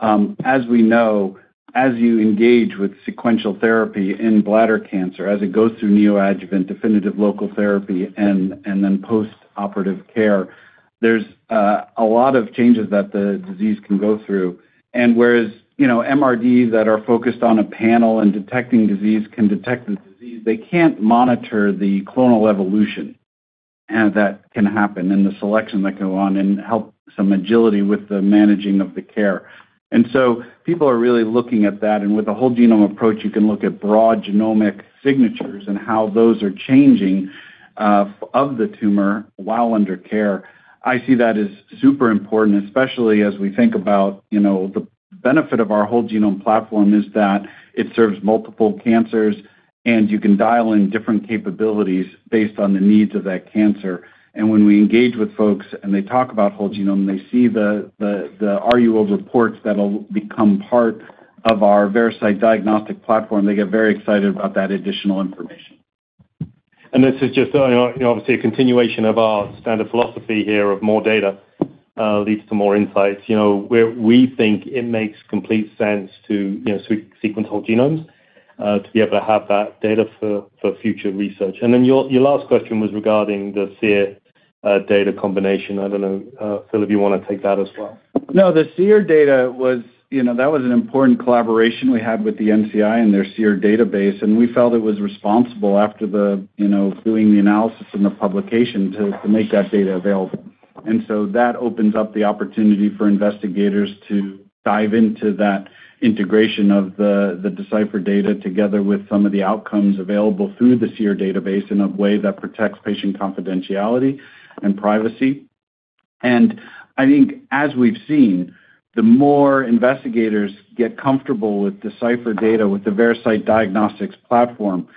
As we know, as you engage with sequential therapy in bladder cancer, as it goes through neoadjuvant definitive local therapy and then post-operative care, there's a lot of changes that the disease can go through. Whereas, you know, MRDs that are focused on a panel and detecting disease can detect the disease, they can't monitor the clonal evolution that can happen and the selection that can go on and help some agility with the managing of the care. People are really looking at that. With a whole genome approach, you can look at broad genomic signatures and how those are changing of the tumor while under care. I see that as super important, especially as we think about, you know, the benefit of our whole genome platform is that it serves multiple cancers, and you can dial in different capabilities based on the needs of that cancer. When we engage with folks and they talk about whole genome, they see the RUL reports that will become part of our Veracyte diagnostic platform. They get very excited about that additional information. This is just, obviously, a continuation of our standard philosophy here of more data leads to more insights. We think it makes complete sense to sequence whole genomes to be able to have that data for future research. Your last question was regarding the SEER data combination. I don't know, Phil, if you want to take that as well. No, the SEER data was an important collaboration we had with the NCI and their SEER database. We felt it was responsible after doing the analysis and the publication to make that data available. That opens up the opportunity for investigators to dive into that integration of the Decipher data together with some of the outcomes available through the SEER database in a way that protects patient confidentiality and privacy. I think as we've seen, the more investigators get comfortable with Decipher data with the Veracyte diagnostics platform,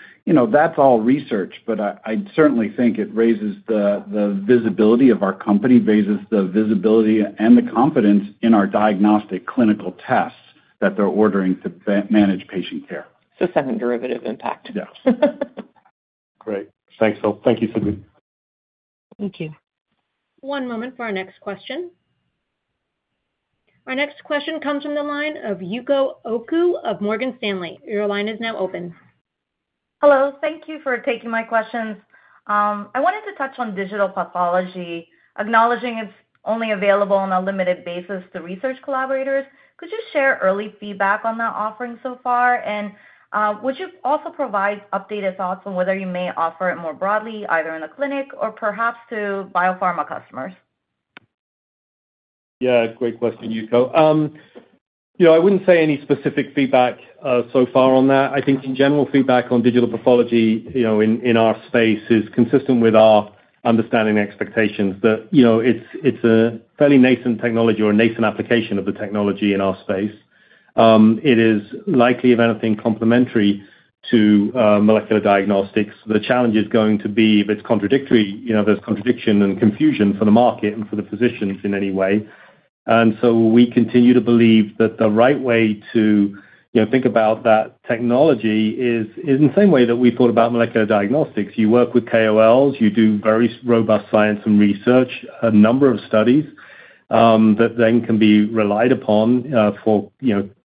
that's all research, but I certainly think it raises the visibility of our company, raises the visibility and the confidence in our diagnostic clinical tests that they're ordering to manage patient care. Second derivative impact. Yeah. Great. Thanks, Phillip. Thank you, Subbu. Thank you. One moment for our next question. Our next question comes from the line of Yuko Oku of Morgan Stanley. Your line is now open. Hello. Thank you for taking my questions. I wanted to touch on digital pathology, acknowledging it's only available on a limited basis to research collaborators. Could you share early feedback on that offering so far? Would you also provide updated thoughts on whether you may offer it more broadly, either in the clinic or perhaps to biopharma customers? Yeah, great question, Yuko. I wouldn't say any specific feedback so far on that. I think in general, feedback on digital pathology in our space is consistent with our understanding and expectations that it's a fairly nascent technology or a nascent application of the technology in our space. It is likely, if anything, complementary to molecular diagnostics. The challenge is going to be if it's contradictory, there's contradiction and confusion for the market and for the physicians in any way. We continue to believe that the right way to think about that technology is in the same way that we thought about molecular diagnostics. You work with KOLs, you do very robust science and research, a number of studies that then can be relied upon for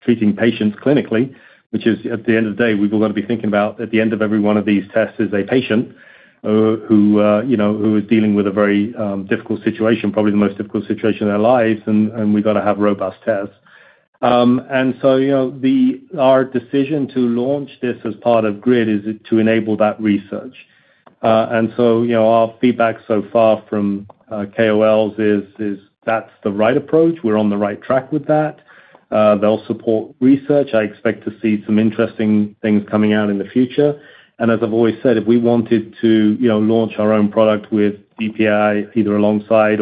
treating patients clinically, which is at the end of the day, we've all got to be thinking about at the end of every one of these tests is a patient who is dealing with a very difficult situation, probably the most difficult situation in their lives, and we've got to have robust tests. Our decision to launch this as part of GRID is to enable that research. Our feedback so far from KOLs is that's the right approach. We're on the right track with that. They'll support research. I expect to see some interesting things coming out in the future. As I've always said, if we wanted to launch our own product with DPI either alongside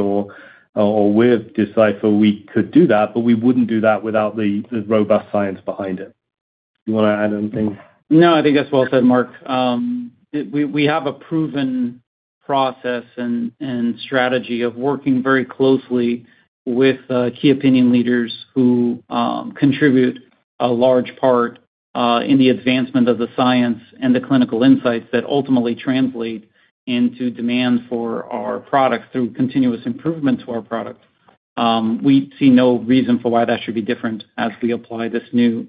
or with Decipher, we could do that, but we wouldn't do that without the robust science behind it. You want to add anything? No, I think that's well said, Marc. We have a proven process and strategy of working very closely with key opinion leaders who contribute a large part in the advancement of the science and the clinical insights that ultimately translate into demand for our products through continuous improvement to our product. We see no reason why that should be different as we apply this new,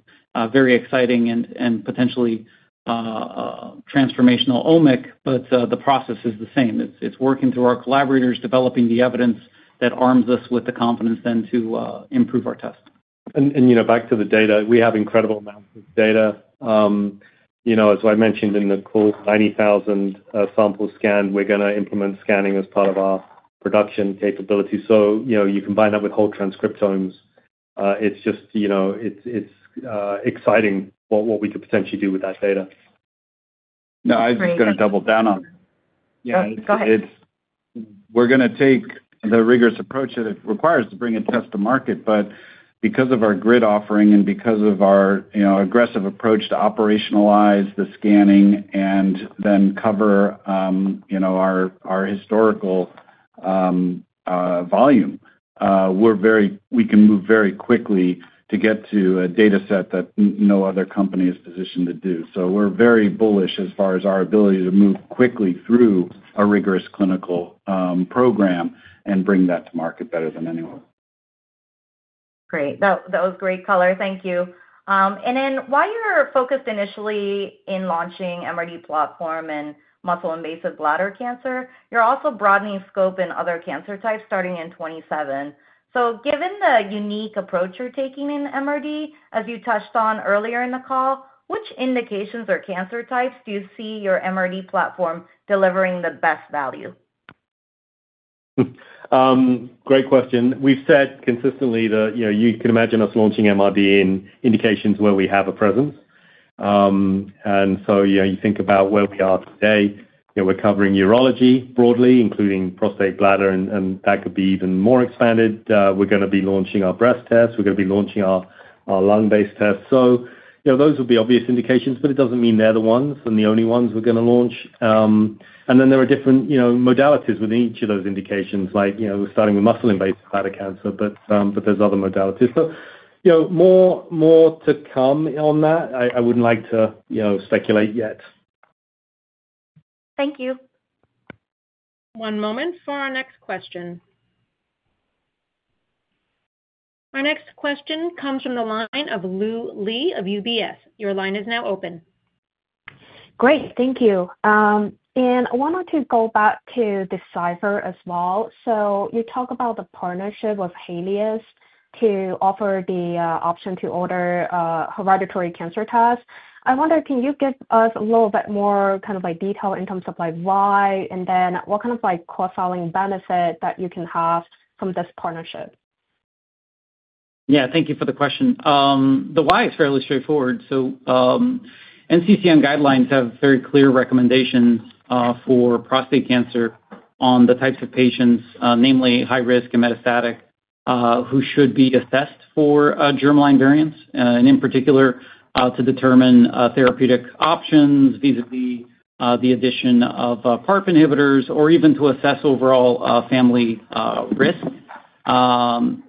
very exciting and potentially transformational omic, but the process is the same. It's working through our collaborators, developing the evidence that arms us with the confidence then to improve our tests. Back to the data, we have incredible amounts of data. As I mentioned in the call, 90,000 samples scanned. We're going to implement scanning as part of our production capability. You combine that with whole transcriptomes. It's just, you know, it's exciting what we could potentially do with that data. No, I was going to double down on it. Go ahead. We're going to take the rigorous approach that it requires to bring a test to market, but because of our GRID offering and because of our aggressive approach to operationalize the scanning and then cover our historical volume, we can move very quickly to get to a data set that no other company is positioned to do. We are very bullish as far as our ability to move quickly through a rigorous clinical program and bring that to market better than anyone. Great. That was great color. Thank you. While you're focused initially in launching MRD platform in muscle invasive bladder cancer, you're also broadening scope in other cancer types starting in 2027. Given the unique approach you're taking in MRD, as you touched on earlier in the call, which indications or cancer types do you see your MRD platform delivering the best value? Great question. We've said consistently that, you know, you can imagine us launching MRD in indications where we have a presence. You think about where we are today. We're covering urology broadly, including prostate, bladder, and that could be even more expanded. We're going to be launching our breast tests. We're going to be launching our lung-based tests. Those would be obvious indications, but it doesn't mean they're the ones and the only ones we're going to launch. There are different modalities within each of those indications, like starting with muscle invasive bladder cancer, but there's other modalities. More to come on that. I wouldn't like to speculate yet. Thank you. One moment for our next question. Our next question comes from the line of Lu Li of UBS. Your line is now open. Great. Thank you. I wanted to go back to Decipher as well. You talk about the partnership with Helix to offer the option to order hereditary cancer tests. I wonder, can you give us a little bit more kind of like detail in terms of like why and then what kind of like co-signed benefit that you can have from this partnership? Thank you for the question. The why is fairly straightforward. NCCN guidelines have very clear recommendations for prostate cancer on the types of patients, namely high risk and metastatic, who should be assessed for germline variants, in particular to determine therapeutic options, vis-a-vis the addition of PARP inhibitors, or even to assess overall family risk.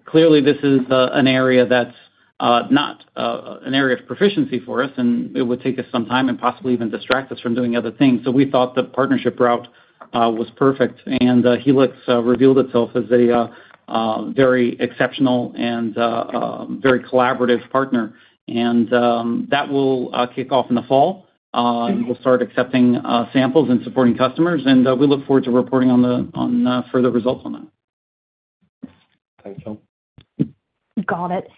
Clearly, this is an area that's not an area of proficiency for us, and it would take us some time and possibly even distract us from doing other things. We thought the partnership route was perfect, and Helix revealed itself as a very exceptional and very collaborative partner. That will kick off in the fall. We'll start accepting samples and supporting customers, and we look forward to reporting on further results on that. Thanks, John. Got it.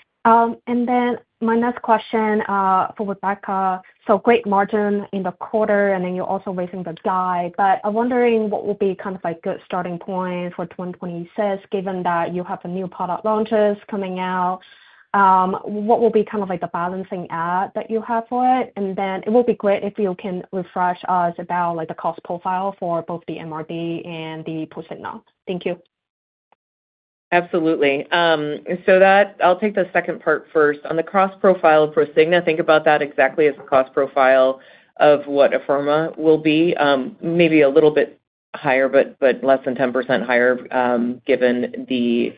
My next question for Rebecca. Great margin in the quarter, and you're also raising the guide. I'm wondering what will be a good starting point for 2026, given that you have new product launches coming out. What will be the balancing act that you have for it? It would be great if you can refresh us about the cost profile for both the MRD and the Prosigna. Thank you. Absolutely. I'll take the second part first. On the cost profile of Prosigna, think about that exactly as the cost profile of what Afirma will be, maybe a little bit higher, but less than 10% higher given the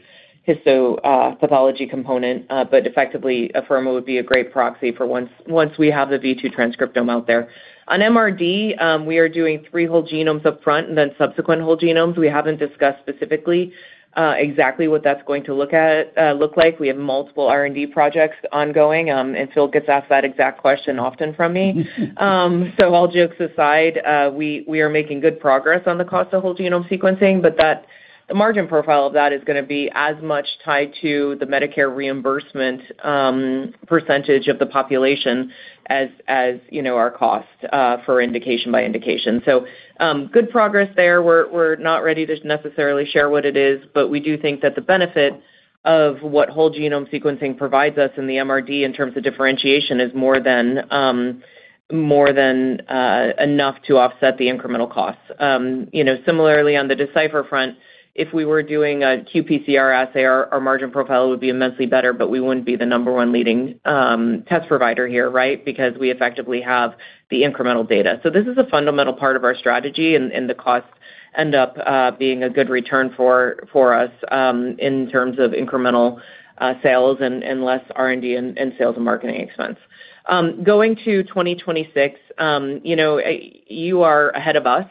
histopathology component. Effectively, Afirma would be a great proxy for once we have the V2 transcriptome out there. On MRD, we are doing three whole genomes up front and then subsequent whole genomes. We haven't discussed specifically exactly what that's going to look like. We have multiple R&D projects ongoing, and Phil gets asked that exact question often from me. All jokes aside, we are making good progress on the cost of whole genome sequencing, but the margin profile of that is going to be as much tied to the Medicare reimbursement percentage of the population as our cost for indication by indication. Good progress there. We're not ready to necessarily share what it is, but we do think that the benefit of what whole genome sequencing provides us in the MRD in terms of differentiation is more than enough to offset the incremental costs. Similarly, on the Decipher front, if we were doing a qPCR assay, our margin profile would be immensely better, but we wouldn't be the number one leading test provider here, right? Because we effectively have the incremental data. This is a fundamental part of our strategy, and the costs end up being a good return for us in terms of incremental sales and less R&D and sales and marketing expense. Going to 2026, you are ahead of us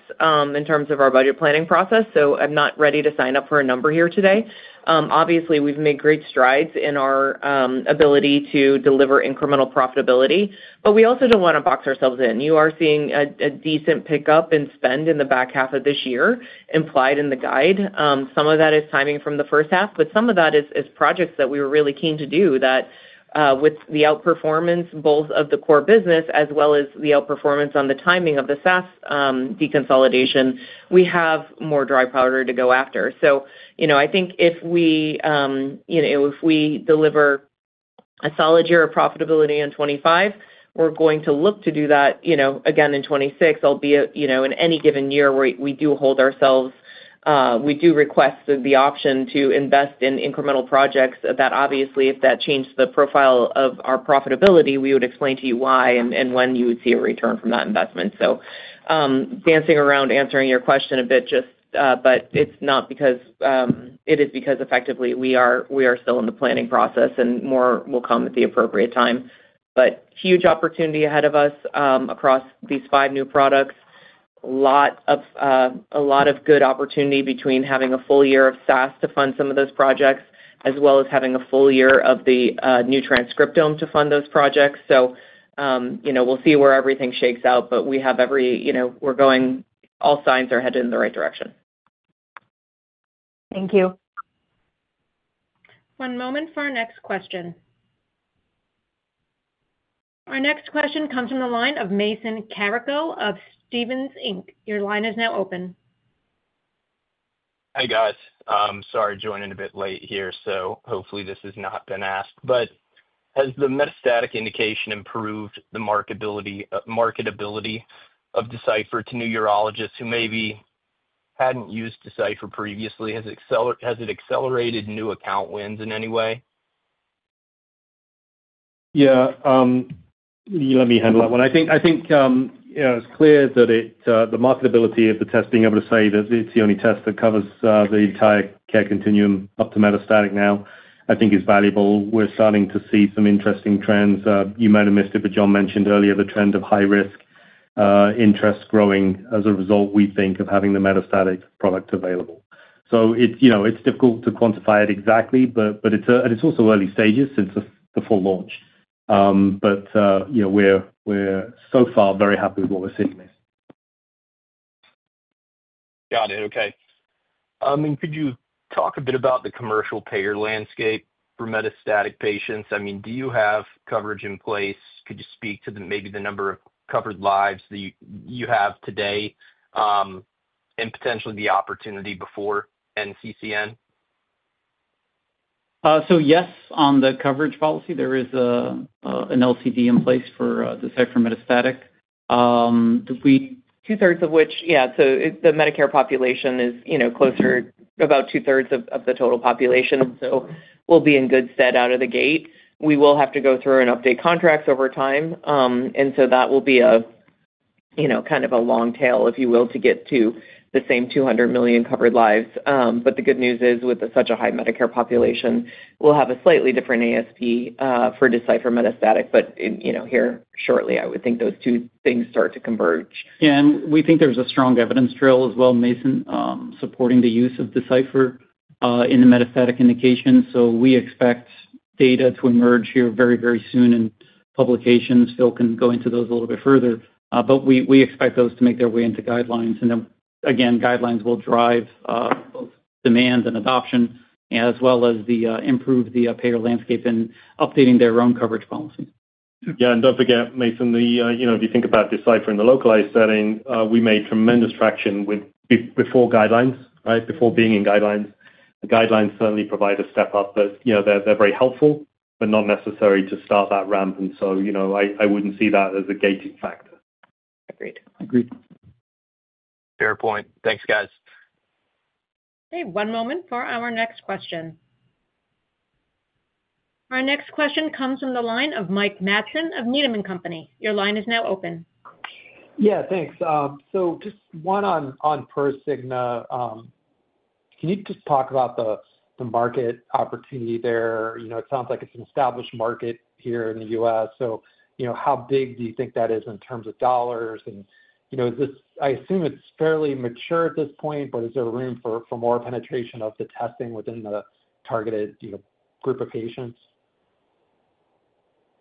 in terms of our budget planning process, so I'm not ready to sign up for a number here today. Obviously, we've made great strides in our ability to deliver incremental profitability, but we also don't want to box ourselves in. You are seeing a decent pickup in spend in the back half of this year implied in the guide. Some of that is timing from the first half, but some of that is projects that we were really keen to do that with the outperformance both of the core business as well as the outperformance on the timing of the SAS deconsolidation, we have more dry powder to go after. I think if we deliver a solid year of profitability in 2025, we're going to look to do that again in 2026, albeit in any given year where we do hold ourselves, we do request the option to invest in incremental projects that obviously if that changed the profile of our profitability, we would explain to you why and when you would see a return from that investment. I'm dancing around answering your question a bit, but it is because effectively we are still in the planning process and more will come at the appropriate time. There is a huge opportunity ahead of us across these five new products. A lot of good opportunity between having a full year of SAS to fund some of those projects, as well as having a full year of the new transcriptome to fund those projects. We'll see where everything shakes out, but we have every, you know, we're going, all signs are headed in the right direction. Thank you. One moment for our next question. Our next question comes from the line of Mason Carrico of Stephens, Inc. Your line is now open. Hi guys. Sorry to join in a bit late here. Hopefully this has not been asked. Has the metastatic indication improved the marketability of Decipher to new urologists who maybe hadn't used Decipher previously? Has it accelerated new account wins in any way? Yeah, let me handle that one. I think it's clear that the marketability of the test, being able to say that it's the only test that covers the entire care continuum up to metastatic now, is valuable. We're starting to see some interesting trends. You might have missed it, but John mentioned earlier the trend of high-risk interest growing as a result, we think, of having the metastatic product available. It's difficult to quantify it exactly, but it's also early stages since the full launch. We're so far very happy with what we're sitting with. Got it. Okay. Could you talk a bit about the commercial payer landscape for metastatic patients? Do you have coverage in place? Could you speak to maybe the number of covered lives that you have today and potentially the opportunity before NCCN? Yes, on the coverage policy, there is an LCD in place for Decipher metastatic. Two-thirds of which, yeah, the Medicare population is closer to about two-thirds of the total population. We'll be in good stead out of the gate. We will have to go through and update contracts over time. That will be a kind of a long tail, if you will, to get to the same 200 million covered lives. The good news is with such a high Medicare population, we'll have a slightly different ASP for Decipher metastatic. Here shortly, I would think those two things start to converge. We think there's a strong evidence trail as well, Mason, supporting the use of Decipher in a metastatic indication. We expect data to emerge here very, very soon in publications. Phil can go into those a little bit further. We expect those to make their way into guidelines. Guidelines will drive demand and adoption, as well as improve the payer landscape in updating their own coverage policy. Yeah, and don't forget, Mason, if you think about Decipher in the localized setting, we made tremendous traction before guidelines, right? Before being in guidelines. The guidelines certainly provide a step up, they're very helpful, but not necessary to start that ramp. I wouldn't see that as a gating factor. Agreed. Agreed. Fair point. Thanks, guys. Okay, one moment for our next question. Our next question comes from the line of Mike Matson of Needham & Company. Your line is now open. Yeah, thanks. Just one on Prosigna. Can you just talk about the market opportunity there? It sounds like it's an established market here in the U.S. How big do you think that is in terms of dollars? I assume it's fairly mature at this point, but is there room for more penetration of the testing within the targeted group of patients?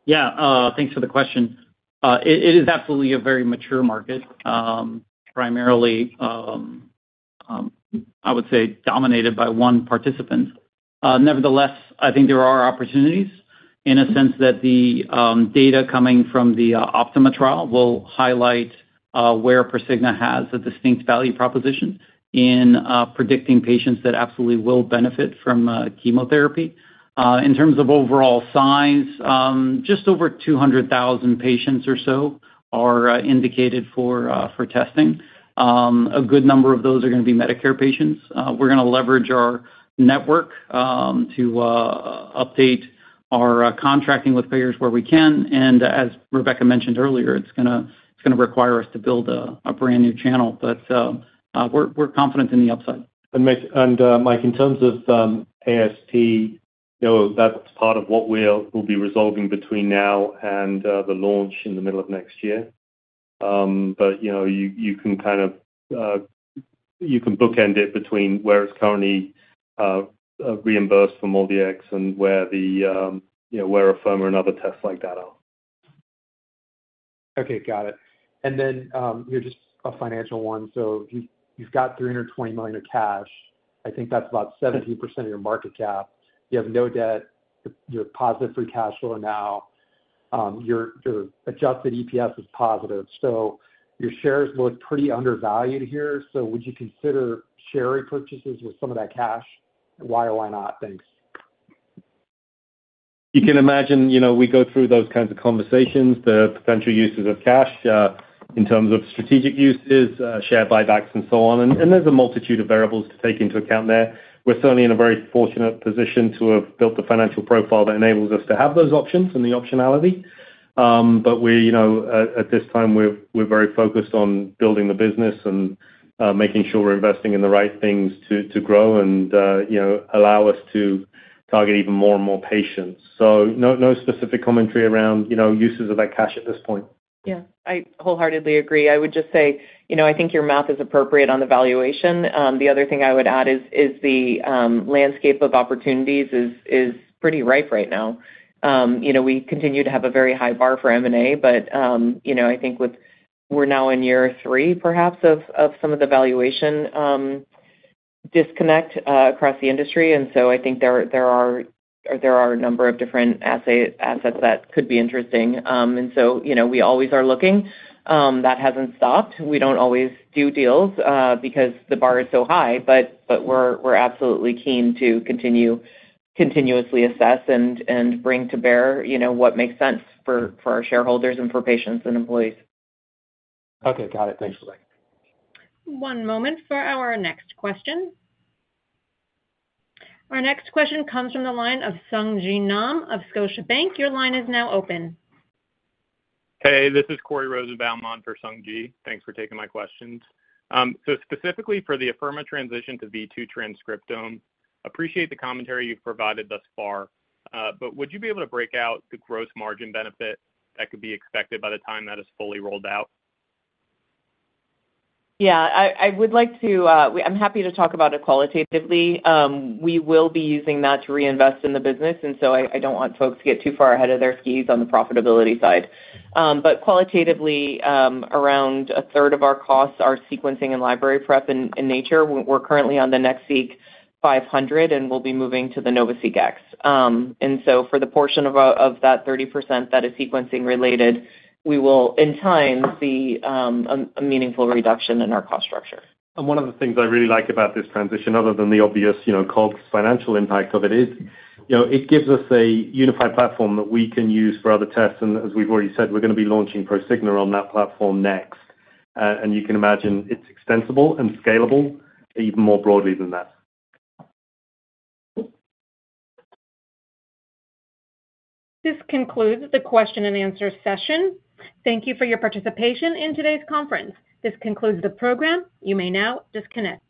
Yeah, thanks for the question. It is absolutely a very mature market, primarily, I would say, dominated by one participant. Nevertheless, I think there are opportunities in a sense that the data coming from the OPTIMA trial will highlight where Prosigna has a distinct value proposition in predicting patients that absolutely will benefit from chemotherapy. In terms of overall size, just over 200,000 patients or so are indicated for testing. A good number of those are going to be Medicare patients. We're going to leverage our network to update our contracting with payers where we can. As Rebecca mentioned earlier, it's going to require us to build a brand new channel. We're confident in the upside. Mike, in terms of ASP, that's part of what we'll be resolving between now and the launch in the middle of next year. You can bookend it between where it's currently reimbursed for MolDX and where the, you know, where Afirma and other tests like that are. Okay, got it. Here, just a financial one. If you've got $320 million of cash, I think that's about 17% of your market cap. You have no debt. You're positive free cash flow now. Your adjusted EPS is positive. Your shares look pretty undervalued here. Would you consider share repurchases with some of that cash? Why or why not? Thanks. You can imagine, we go through those kinds of conversations, the potential uses of cash in terms of strategic uses, share buybacks, and so on. There is a multitude of variables to take into account there. We're certainly in a very fortunate position to have built the financial profile that enables us to have those options and the optionality. At this time, we're very focused on building the business and making sure we're investing in the right things to grow and allow us to target even more and more patients. No specific commentary around uses of that cash at this point. Yeah, I wholeheartedly agree. I would just say, you know, I think your math is appropriate on the valuation. The other thing I would add is the landscape of opportunities is pretty ripe right now. We continue to have a very high bar for M&A, but you know. I think we're now in year three, perhaps, of some of the valuation disconnect across the industry. I think there are a number of different assets that could be interesting. We always are looking. That hasn't stopped. We don't always do deals, because the bar is so high. We're absolutely keen to continuously assess and bring to bear what makes sense for our shareholders and for patients and employees. Okay. Got it. Thanks, Rebecca. One moment for our next question. Our next question comes from the line of Sung Ji Nam of Scotiabank. Your line is now open. Hey, this is Corey Rosenbaum on for Sung Ji. Thanks for taking my questions. Specifically for the Afirma transition to V2 transcriptome, I appreciate the commentary you've provided thus far. Would you be able to break out the gross margin benefit that could be expected by the time that is fully rolled out? Yeah. I'm happy to talk about it qualitatively. We will be using that to reinvest in the business. I don't want folks to get too far ahead of their skis on the profitability side. Qualitatively, around a third of our costs are sequencing and library prep in nature. We're currently on the NextSeq 500, and we'll be moving to the NovaSeq X. For the portion of that 30% that is sequencing related, we will, in time, see a meaningful reduction in our cost structure. One of the things I really like about this transition, other than the obvious, you know, COGS financial impact of it, is it gives us a unified platform that we can use for other tests. As we've already said, we're going to be launching Prosigna on that platform next. You can imagine it's extensible and scalable even more broadly than that. This concludes the question and answer session. Thank you for your participation in today's conference. This concludes the program. You may now disconnect.